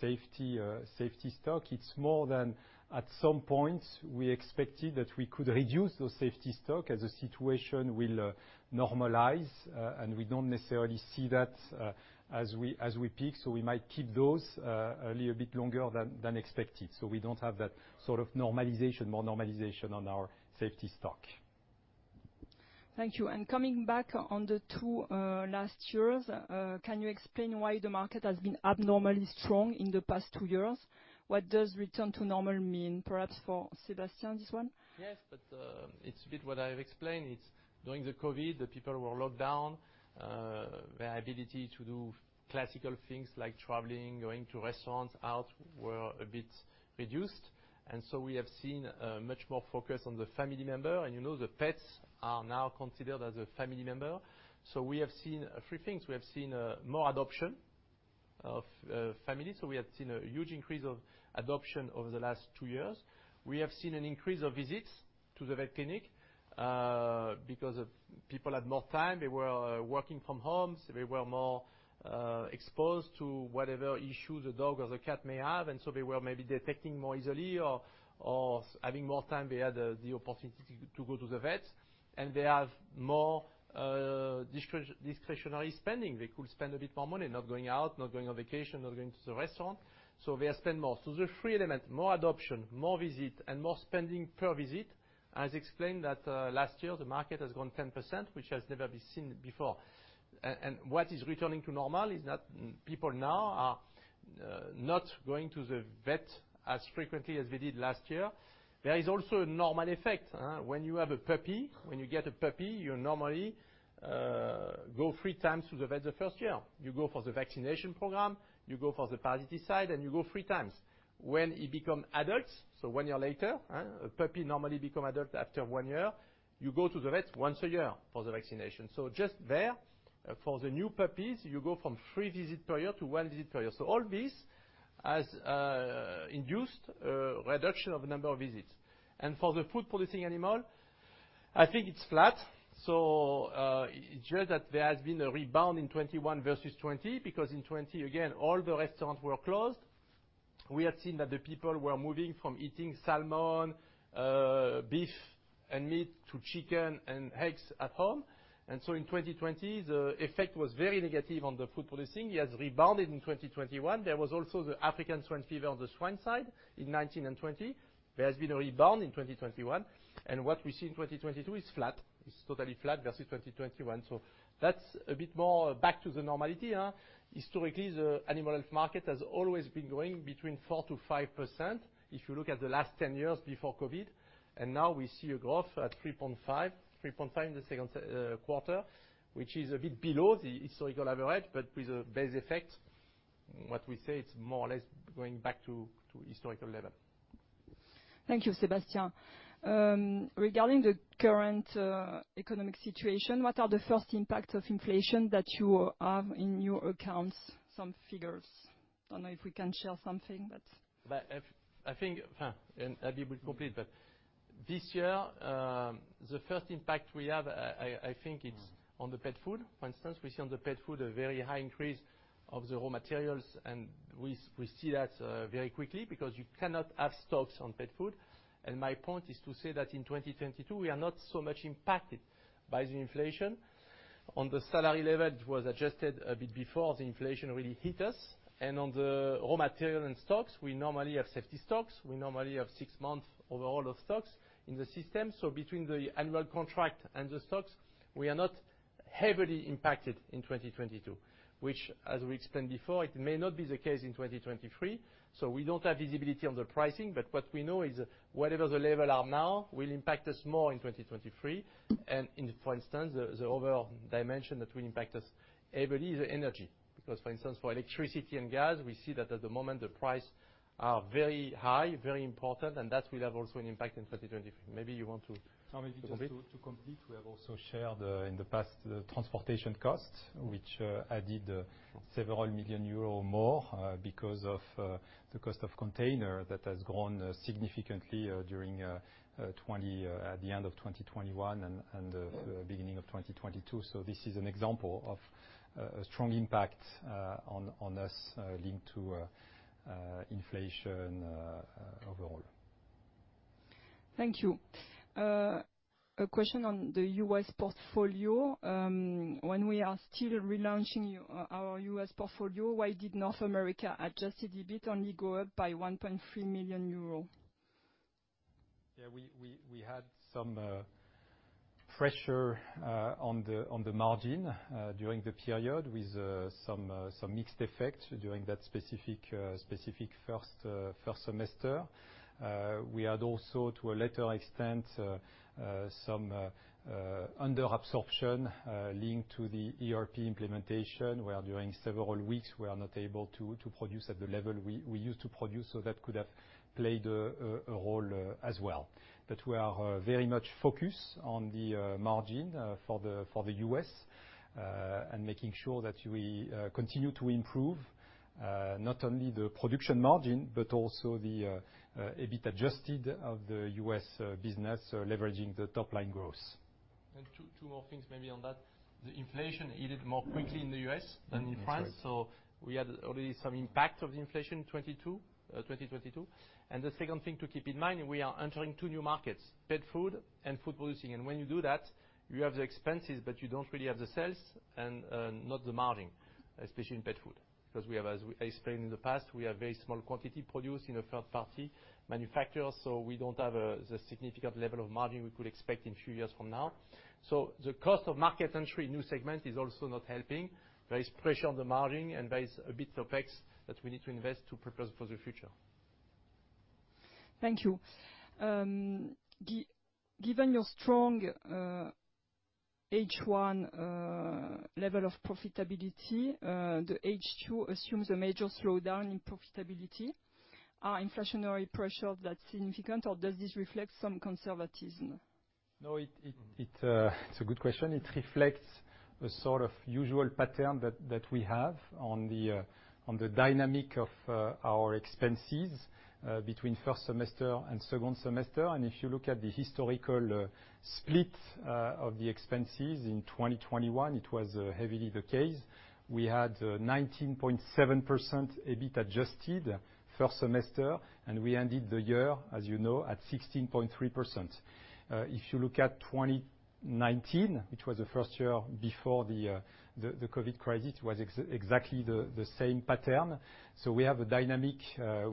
Speaker 2: safety stock. It's more that at some point, we expected that we could reduce those safety stock as the situation will normalize, and we don't necessarily see that as we peak. We might keep those a little bit longer than expected. We don't have that sort of normalization, more normalization on our safety stock.
Speaker 1: Thank you. Coming back on the two last years, can you explain why the market has been abnormally strong in the past two years? What does return to normal mean? Perhaps for Sébastien, this one.
Speaker 3: Yes, but it's a bit what I've explained. It's during the COVID, the people were locked down. Their ability to do classical things like traveling, going to restaurants, out were a bit reduced. We have seen much more focus on the family member, and you know, the pets are now considered as a family member. We have seen a few things. We have seen more adoption of families, so we have seen a huge increase of adoption over the last two years. We have seen an increase of visits to the vet clinic because people had more time. They were working from home, so they were more exposed to whatever issue the dog or the cat may have. They were maybe detecting more easily or having more time they had the opportunity to go to the vet. They have more discretionary spending. They could spend a bit more money not going out, not going on vacation, not going to the restaurant, so they spend more. The three elements, more adoption, more visit, and more spending per visit has explained that last year the market has grown 10%, which has never been seen before. What is returning to normal is that people now are not going to the vet as frequently as they did last year. There is also a normal effect. When you get a puppy, you normally go three times to the vet the first year. You go for the vaccination program, you go for the parasite, and you go three times. When it become adults, one year later, a puppy normally become adult after one year, you go to the vet once a year for the vaccination. Just there, for the new puppies, you go from three visit per year to one visit per year. All this has induced a reduction of the number of visits. For the food-producing animal, I think it's flat. It's just that there has been a rebound in 2021 versus 2020, because in 2020, again, all the restaurants were closed. We had seen that the people were moving from eating salmon, beef and meat to chicken and eggs at home. In 2020, the effect was very negative on the food producing. It has rebounded in 2021. There was also the African swine fever on the swine side in 2019 and 2020. There has been a rebound in 2021. What we see in 2022 is flat. It's totally flat versus 2021. That's a bit more back to the normality. Historically, the animal health market has always been growing between 4%-5% if you look at the last 10 years before COVID. Now we see a growth at 3.5, 3.5 the second quarter, which is a bit below the historical average, but with a base effect. What we say, it's more or less going back to historical level.
Speaker 1: Thank you, Sébastien. Regarding the current economic situation, what are the first impact of inflation that you have in your accounts, some figures? I don't know if we can share something that's.
Speaker 3: I think, and Habib will complete, but this year, the first impact we have, I think it's on the pet food. For instance, we see on the pet food a very high increase of the raw materials, and we see that very quickly because you cannot have stocks on pet food. My point is to say that in 2022, we are not so much impacted by the inflation. On the salary level, it was adjusted a bit before the inflation really hit us. On the raw material and stocks, we normally have safety stocks. We normally have six months overall of stocks in the system. Between the annual contract and the stocks, we are not heavily impacted in 2022, which as we explained before, it may not be the case in 2023. We don't have visibility on the pricing, but what we know is whatever the level are now will impact us more in 2023. In, for instance, the overall dimension that will impact us heavily is energy. Because, for instance, for electricity and gas, we see that at the moment the price are very high, very important, and that will have also an impact in 2023. Maybe you want to.
Speaker 2: Maybe just to complete, we have also shared in the past the transportation costs, which added several million EUR more because of the cost of container that has grown significantly during 2020, at the end of 2021 and the beginning of 2022. This is an example of a strong impact on us linked to inflation overall.
Speaker 1: Thank you. A question on the U.S. portfolio. When we are still relaunching our U.S. portfolio, why did North America adjusted EBIT only go up by 1.3 million euro?
Speaker 2: We had some pressure on the margin during the period with some mixed effect during that specific first semester. We had also, to a lesser extent, some under absorption linked to the ERP implementation, where during several weeks, we are not able to produce at the level we used to produce. That could have played a role as well. We are very much focused on the margin for the U.S. and making sure that we continue to improve not only the production margin but also the EBIT adjusted of the U.S. business, leveraging the top line growth.
Speaker 3: Two more things maybe on that. The inflation hit it more quickly in the U.S. than in France.
Speaker 2: That's right.
Speaker 3: We had already some impact of the inflation in 2022. The second thing to keep in mind, we are entering two new markets, pet food and food producing. When you do that, you have the expenses, but you don't really have the sales and, not the margin, especially in pet food. Because we have, as I explained in the past, we have very small quantity produced in a third-party manufacturer, so we don't have the significant level of margin we could expect in few years from now. The cost of market entry new segment is also not helping. There is pressure on the margin and there is a bit of CapEx that we need to invest to prepare for the future.
Speaker 1: Thank you. Given your strong H1 level of profitability, the H2 assumes a major slowdown in profitability. Are inflationary pressures that significant, or does this reflect some conservatism?
Speaker 2: No, it's a good question. It reflects the sort of usual pattern that we have on the dynamic of our expenses between first semester and second semester. If you look at the historical split of the expenses in 2021, it was heavily the case. We had 19.7% EBIT adjusted first semester, and we ended the year, as you know, at 16.3%. If you look at 2019, which was the first year before the COVID-19 crisis, was exactly the same pattern. We have a dynamic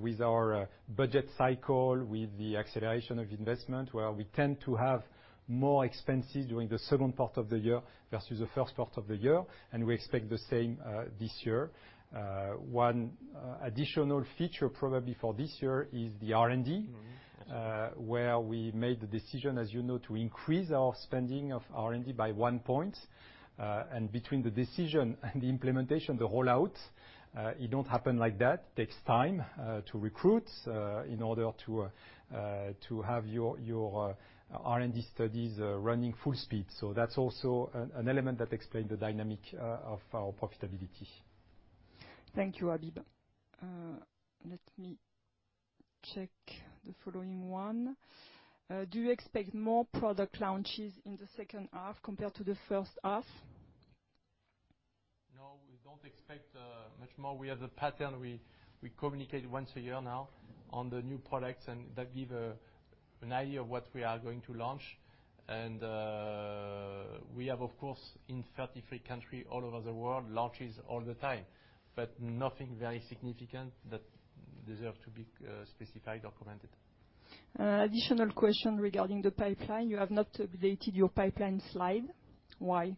Speaker 2: with our budget cycle, with the acceleration of investment, where we tend to have more expenses during the second part of the year versus the first part of the year, and we expect the same this year. One additional feature probably for this year is the R&D, where we made the decision, as you know, to increase our spending of R&D by one point. Between the decision and the implementation, the rollout, it don't happen like that. It takes time to recruit in order to have your R&D studies running full speed. That's also an element that explains the dynamic of our profitability.
Speaker 1: Thank you, Habib. Let me check the following one. Do you expect more product launches in the second half compared to the first half?
Speaker 3: No, we don't expect much more. We have a pattern. We communicate once a year now on the new products, and that give an idea of what we are going to launch. We have, of course, in 33 countries all over the world, launches all the time, but nothing very significant that deserves to be specified or commented.
Speaker 1: An additional question regarding the pipeline. You have not updated your pipeline slide. Why?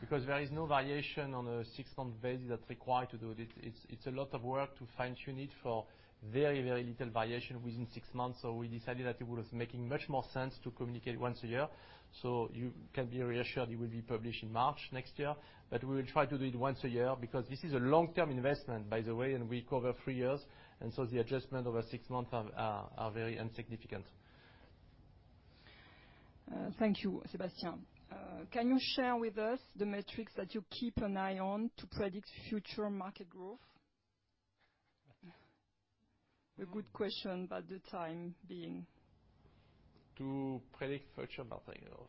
Speaker 3: Because there is no variation on a six-month basis that's required to do this. It's a lot of work to fine-tune it for very, very little variation within six months, so we decided that it was making much more sense to communicate once a year. You can be reassured it will be published in March next year. We will try to do it once a year because this is a long-term investment, by the way, and we cover three years, and so the adjustments over six months are very insignificant.
Speaker 1: Thank you, Sébastien. Can you share with us the metrics that you keep an eye on to predict future market growth? A good question, but for the time being.
Speaker 3: To predict future market growth.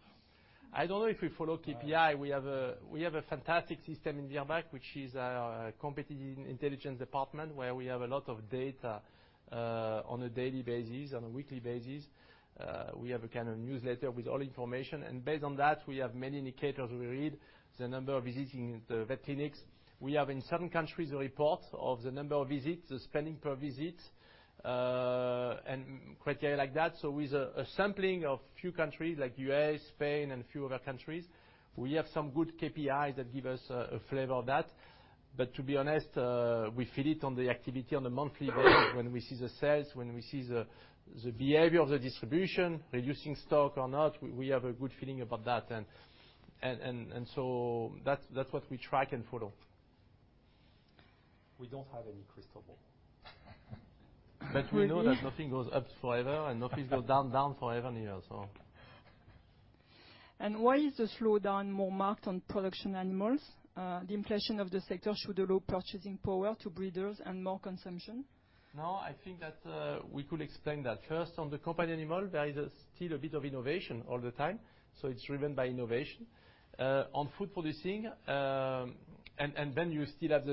Speaker 3: I don't know if we follow KPI. We have a fantastic system in Virbac, which is our competitive intelligence department, where we have a lot of data on a daily basis, on a weekly basis. We have a kind of newsletter with all information. Based on that, we have many indicators we read, the number of visits in the vet clinics. We have in certain countries a report of the number of visits, the spending per visit, and criteria like that. With a sampling of a few countries like U.S., Spain, and a few other countries, we have some good KPIs that give us a flavor of that. To be honest, we feel it on the activity on a monthly basis when we see the sales, when we see the behavior of the distribution, reducing stock or not, we have a good feeling about that. So that's what we track and follow.
Speaker 1: We don't have any crystal ball.
Speaker 3: We know that nothing goes up forever, and nothing goes down forever neither, so.
Speaker 1: Why is the slowdown more marked on production animals? The inflation of the sector should allow purchasing power to breeders and more consumption.
Speaker 3: No, I think that, we could explain that. First, on the companion animal, there is still a bit of innovation all the time, so it's driven by innovation. On food-producing, and then you still have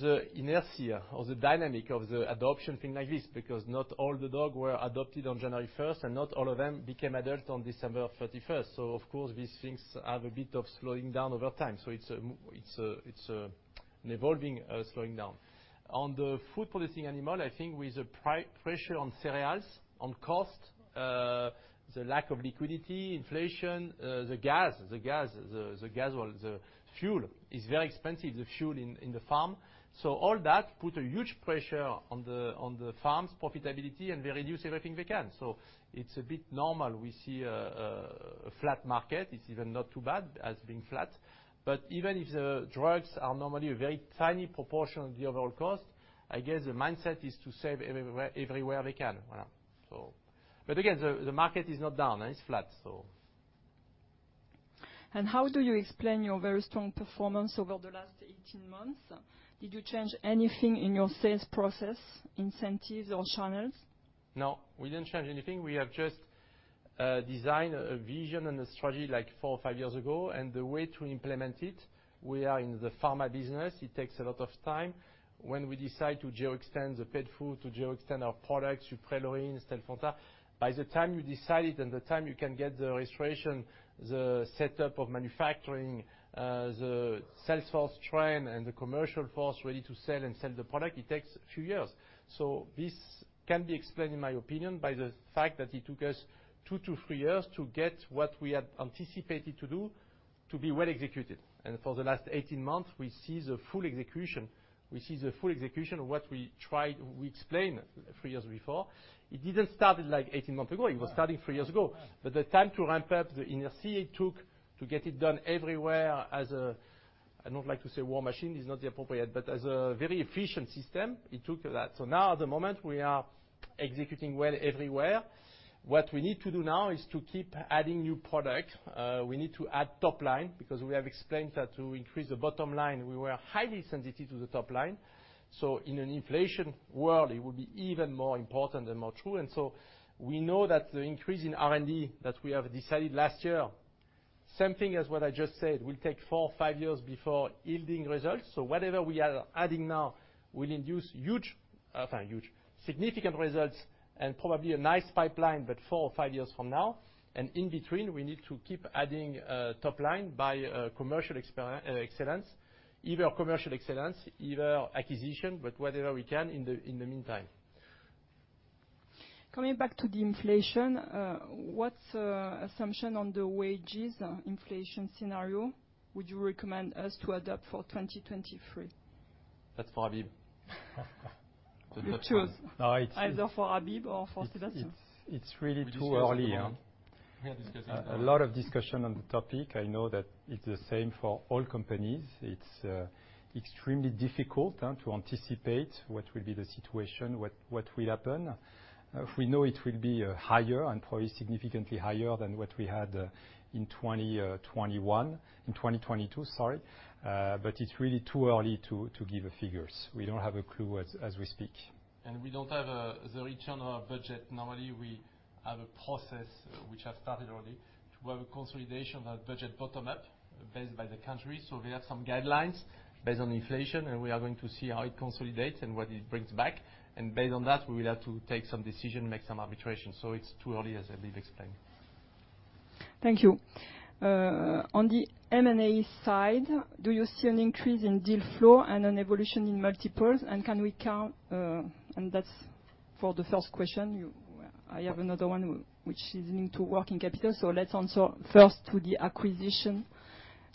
Speaker 3: the inertia or the dynamic of the adoption, things like this, because not all the dogs were adopted on January first, and not all of them became adult on December 31st. Of course, these things have a bit of slowing down over time. It's an evolving slowing down. On the food-producing animal, I think with the price pressure on cereals, on cost, the lack of liquidity, inflation, the gas or the fuel is very expensive, the fuel in the farm. All that put a huge pressure on the farms' profitability, and they reduce everything they can. It's a bit normal. We see a flat market. It's even not too bad as being flat. Even if the drugs are normally a very tiny proportion of the overall cost, I guess the mindset is to save everywhere they can. Voilà. Again, the market is not down, it's flat.
Speaker 1: How do you explain your very strong performance over the last 18 months? Did you change anything in your sales process, incentives or channels?
Speaker 3: No, we didn't change anything. We have just designed a vision and a strategy like four or five years ago, and the way to implement it, we are in the pharma business. It takes a lot of time. When we decide to geo-extend the pet food, to geo-extend our products, Suprelorin, Stelfonta, by the time you decide it and the time you can get the registration, the setup of manufacturing, the sales force trained and the commercial force ready to sell and sell the product, it takes a few years. This can be explained, in my opinion, by the fact that it took us two to three years to get what we had anticipated to do to be well executed. For the last 18 months, we see the full execution, we see the full execution of what we tried, we explained three years before. It didn't start, like, 18 months ago, it was starting three years ago. The time to ramp up the inertia it took to get it done everywhere as a I don't like to say war machine, it's not appropriate, but as a very efficient system, it took that. Now at the moment, we are executing well everywhere. What we need to do now is to keep adding new products. We need to add top line, because we have explained that to increase the bottom line, we were highly sensitive to the top line. In an inflation world, it would be even more important and more true. We know that the increase in R&D that we have decided last year, same thing as what I just said, will take four or five years before yielding results. Whatever we are adding now will induce huge significant results and probably a nice pipeline, but four or five years from now. In between, we need to keep adding top line by commercial excellence, either commercial excellence, either acquisition, but whatever we can in the meantime.
Speaker 1: Coming back to the inflation, what's the assumption on the wages inflation scenario would you recommend us to adopt for 2023?
Speaker 3: That's for Habib.
Speaker 1: You choose.
Speaker 3: No, it's
Speaker 1: Either for Habib or for Sébastien.
Speaker 2: It's really too early.
Speaker 3: We discussed it a lot. We have discussed it a lot.
Speaker 2: A lot of discussion on the topic. I know that it's the same for all companies. It's extremely difficult to anticipate what will be the situation, what will happen. We know it will be higher and probably significantly higher than what we had in 2022, sorry. It's really too early to give figures. We don't have a clue as we speak.
Speaker 3: We don't have the return on our budget. Normally, we have a process which has started already to have a consolidation of budget bottom up based by the country. We have some guidelines based on inflation, and we are going to see how it consolidates and what it brings back. Based on that, we will have to take some decision, make some arbitration. It's too early, as Habib explained.
Speaker 1: Thank you. On the M&A side, do you see an increase in deal flow and an evolution in multiples? That's for the first question. I have another one which is linked to working capital. Let's answer first to the acquisition.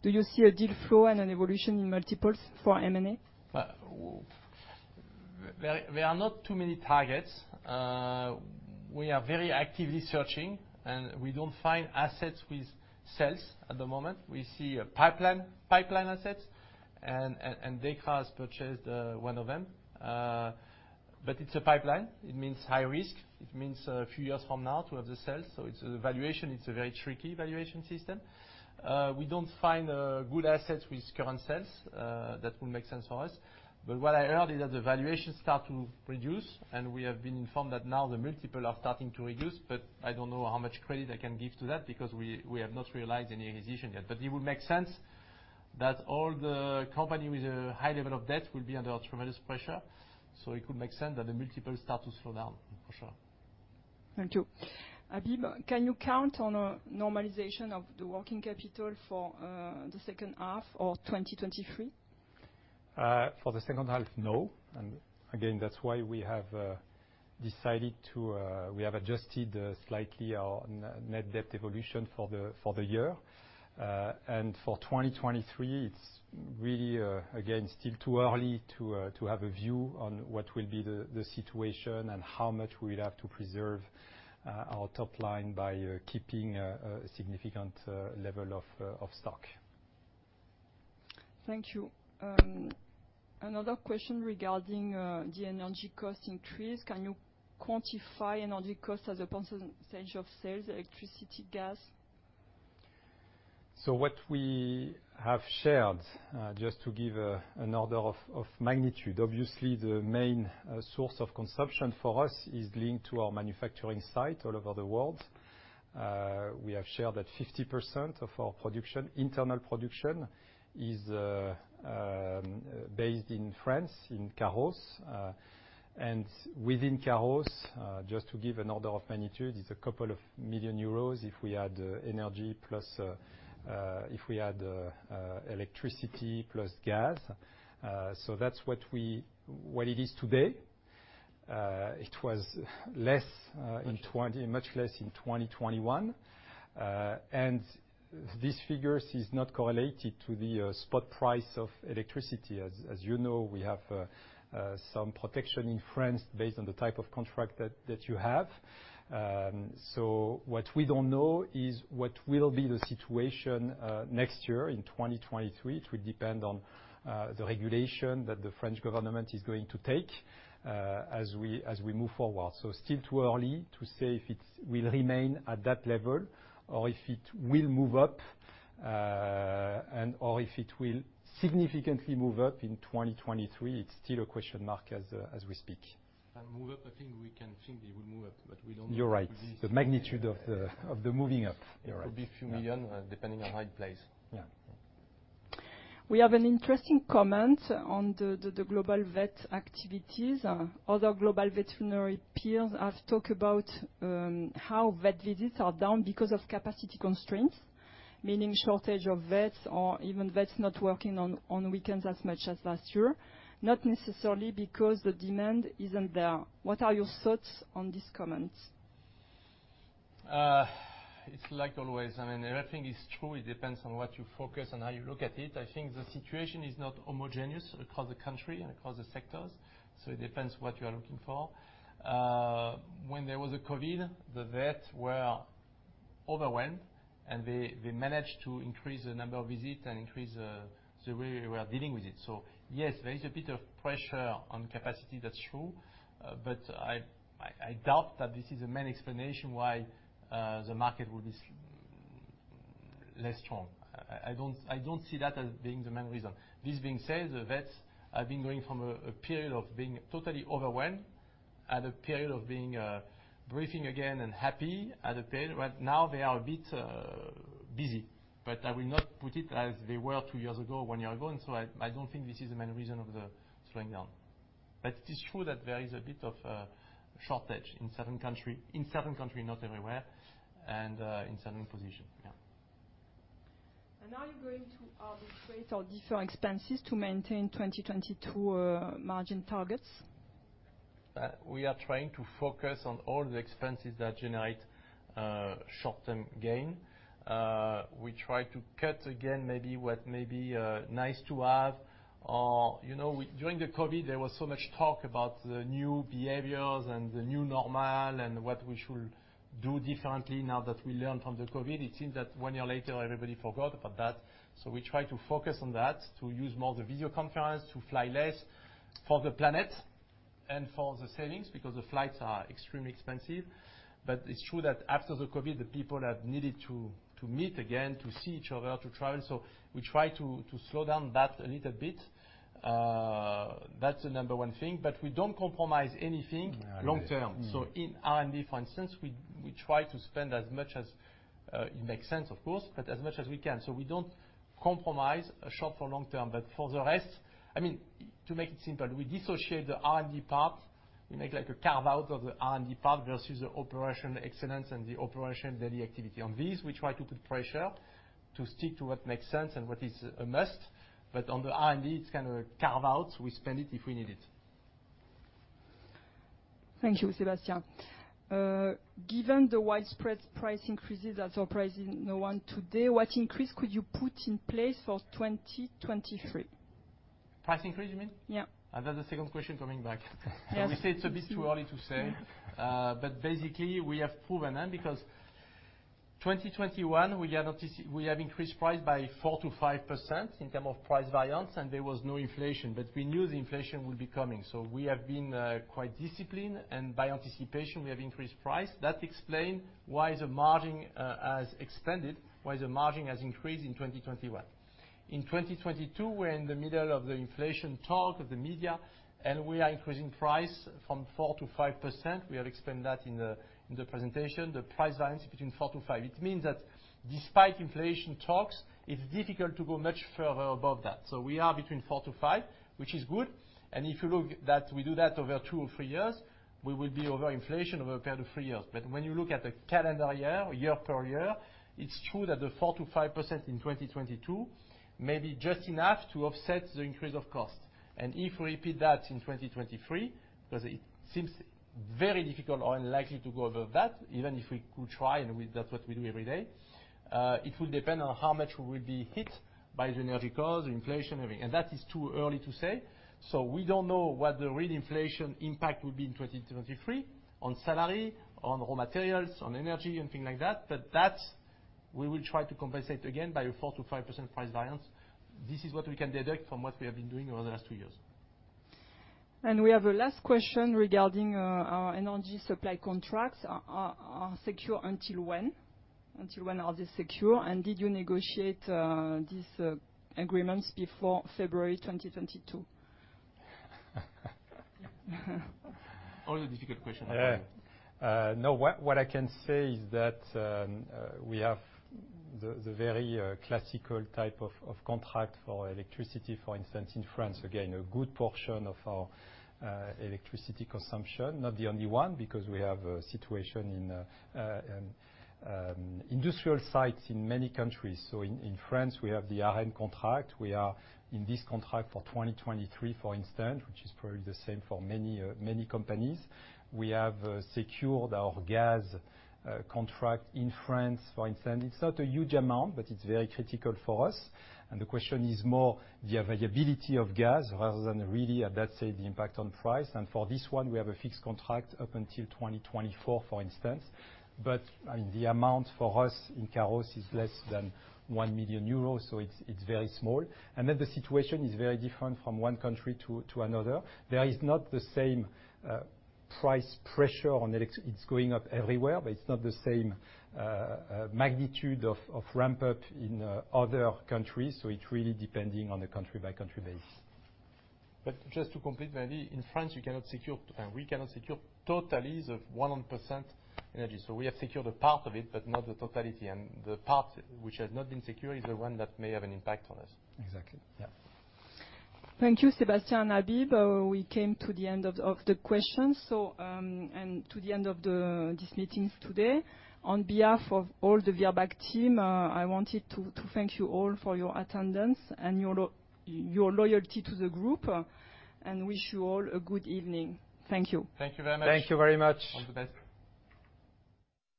Speaker 1: Do you see a deal flow and an evolution in multiples for M&A?
Speaker 3: Well, there are not too many targets. We are very actively searching, and we don't find assets with sales at the moment. We see pipeline assets, and Dechra has purchased one of them. It's a pipeline. It means high risk. It means a few years from now to have the sales. It's a valuation, it's a very tricky valuation system. We don't find good assets with current sales that will make sense for us. What I heard is that the valuations start to reduce, and we have been informed that now the multiples are starting to reduce, but I don't know how much credit I can give to that because we have not realized any acquisition yet. It would make sense that all the company with a high level of debt will be under tremendous pressure. It could make sense that the multiples start to slow down, for sure.
Speaker 1: Thank you. Habib, can you count on a normalization of the working capital for the second half of 2023?
Speaker 2: For the second half, no. Again, that's why we have adjusted slightly our net debt evolution for the year. For 2023, it's really again still too early to have a view on what will be the situation and how much we'll have to preserve our top line by keeping a significant level of stock.
Speaker 1: Thank you. Another question regarding the energy cost increase. Can you quantify energy cost as a percentage of sales, electricity, gas?
Speaker 2: What we have shared just to give an order of magnitude, obviously the main source of consumption for us is linked to our manufacturing site all over the world. We have shared that 50% of our production, internal production is based in France, in Carros. Within Carros, just to give an order of magnitude, it's a couple of million euros if we add energy plus electricity plus gas. That's what it is today. It was less, much less in 2021. This figure is not correlated to the spot price of electricity. As you know, we have some protection in France based on the type of contract that you have. What we don't know is what will be the situation next year in 2023. It will depend on the regulation that the French government is going to take as we move forward. Still too early to say if it will remain at that level or if it will move up or if it will significantly move up in 2023. It's still a question mark as we speak.
Speaker 3: Move up, I think we can think it will move up, but we don't know.
Speaker 2: You're right. The magnitude of the moving up, you're right.
Speaker 3: It could be a few million euros, depending on how it plays.
Speaker 2: Yeah.
Speaker 1: We have an interesting comment on the global vet activities. Other global veterinary peers have talked about how vet visits are down because of capacity constraints, meaning shortage of vets or even vets not working on weekends as much as last year, not necessarily because the demand isn't there. What are your thoughts on this comment?
Speaker 3: It's like always. I mean, everything is true. It depends on what you focus and how you look at it. I think the situation is not homogeneous across the country and across the sectors, so it depends what you are looking for. When there was a COVID, the vets were overwhelmed, and they managed to increase the number of visit and increase the way we are dealing with it. Yes, there is a bit of pressure on capacity, that's true, but I doubt that this is the main explanation why the market will be less strong. I don't see that as being the main reason. This being said, the vets have been going from a period of being totally overwhelmed, to a period of being breathing again and happy, to a period where now they are a bit busy. I will not put it as they were two years ago, one year ago, and so I don't think this is the main reason of the slowing down. It is true that there is a bit of shortage in certain countries, not everywhere, and in certain positions.
Speaker 1: Are you going to reallocate or defer expenses to maintain 2022 margin targets?
Speaker 3: We are trying to focus on all the expenses that generate short-term gain. We try to cut again maybe what may be nice to have or, you know, During the COVID, there was so much talk about the new behaviors and the new normal and what we should do differently now that we learned from the COVID. It seems that one year later, everybody forgot about that. We try to focus on that, to use more of the video conference, to fly less for the planet and for the savings, because the flights are extremely expensive. It's true that after the COVID, the people have needed to meet again, to see each other, to travel. We try to slow down that a little bit. That's the number one thing. We don't compromise anything long term.
Speaker 2: Yeah.
Speaker 3: In R&D, for instance, we try to spend as much as it makes sense, of course, but as much as we can. We don't compromise short or long term. For the rest, I mean, to make it simple, we dissociate the R&D part. We make like a carve-out of the R&D part versus the operation excellence and the operation daily activity. On these, we try to put pressure to stick to what makes sense and what is a must. On the R&D, it's kind of carve-out. We spend it if we need it.
Speaker 1: Thank you, Sébastien. Given the widespread price increases that are surprising no one today, what increase could you put in place for 2023?
Speaker 3: Price increase, you mean?
Speaker 1: Yeah.
Speaker 3: That's the second question coming back.
Speaker 1: Yes.
Speaker 3: We say it's a bit too early to say.
Speaker 1: Yeah.
Speaker 3: Basically we have proven, and because 2021 we have increased price by 4%-5% in term of price variance, and there was no inflation. We knew the inflation would be coming, so we have been quite disciplined, and by anticipation, we have increased price. That explain why the margin has expanded, why the margin has increased in 2021. In 2022, we're in the middle of the inflation talk of the media, and we are increasing price from 4%-5%. We have explained that in the presentation, the price variance between 4%-5%. It means that despite inflation talks, it's difficult to go much further above that. We are between 4%-5%, which is good. If you look at that we do that over two or three years, we will be over inflation over a period of three years. When you look at the calendar year per year, it's true that the 4%-5% in 2022 may be just enough to offset the increase of cost. If we repeat that in 2023, because it seems very difficult or unlikely to go above that, even if we could try, and that's what we do every day, it will depend on how much we will be hit by the energy cost, the inflation, everything. That is too early to say. We don't know what the real inflation impact will be in 2023 on salary, on raw materials, on energy and things like that. That's, we will try to compensate again by a 4%-5% price variance. This is what we can deduct from what we have been doing over the last two years.
Speaker 1: We have a last question regarding our energy supply contracts. Are they secure until when? Until when are they secure? Did you negotiate these agreements before February 2022?
Speaker 3: Only the difficult question at the end.
Speaker 2: Yeah. No, what I can say is that we have the very classical type of contract for electricity, for instance, in France, again, a good portion of our electricity consumption. Not the only one, because we have a situation in industrial sites in many countries. In France, we have the ARENH contract. We are in this contract for 2023, for instance, which is probably the same for many companies. We have secured our gas contract in France, for instance. It's not a huge amount, but it's very critical for us. The question is more the availability of gas rather than really, let's say, the impact on price. For this one, we have a fixed contract up until 2024, for instance. I mean, the amount for us in Carros is less than 1 million euros, so it's very small. The situation is very different from one country to another. There is not the same price pressure. It's going up everywhere, but it's not the same magnitude of ramp up in other countries, so it really depending on a country-by-country basis.
Speaker 3: Just to complete, Habib, in France, we cannot secure the total. It's a 100% energy. We have secured a part of it, but not the totality. The part which has not been secured is the one that may have an impact on us.
Speaker 2: Exactly.
Speaker 3: Yeah.
Speaker 1: Thank you, Sébastien and Habib. We came to the end of the questions, and to the end of this meeting today. On behalf of all the Virbac team, I wanted to thank you all for your attendance and your loyalty to the group, and wish you all a good evening. Thank you.
Speaker 3: Thank you very much.
Speaker 2: Thank you very much.
Speaker 3: All the best.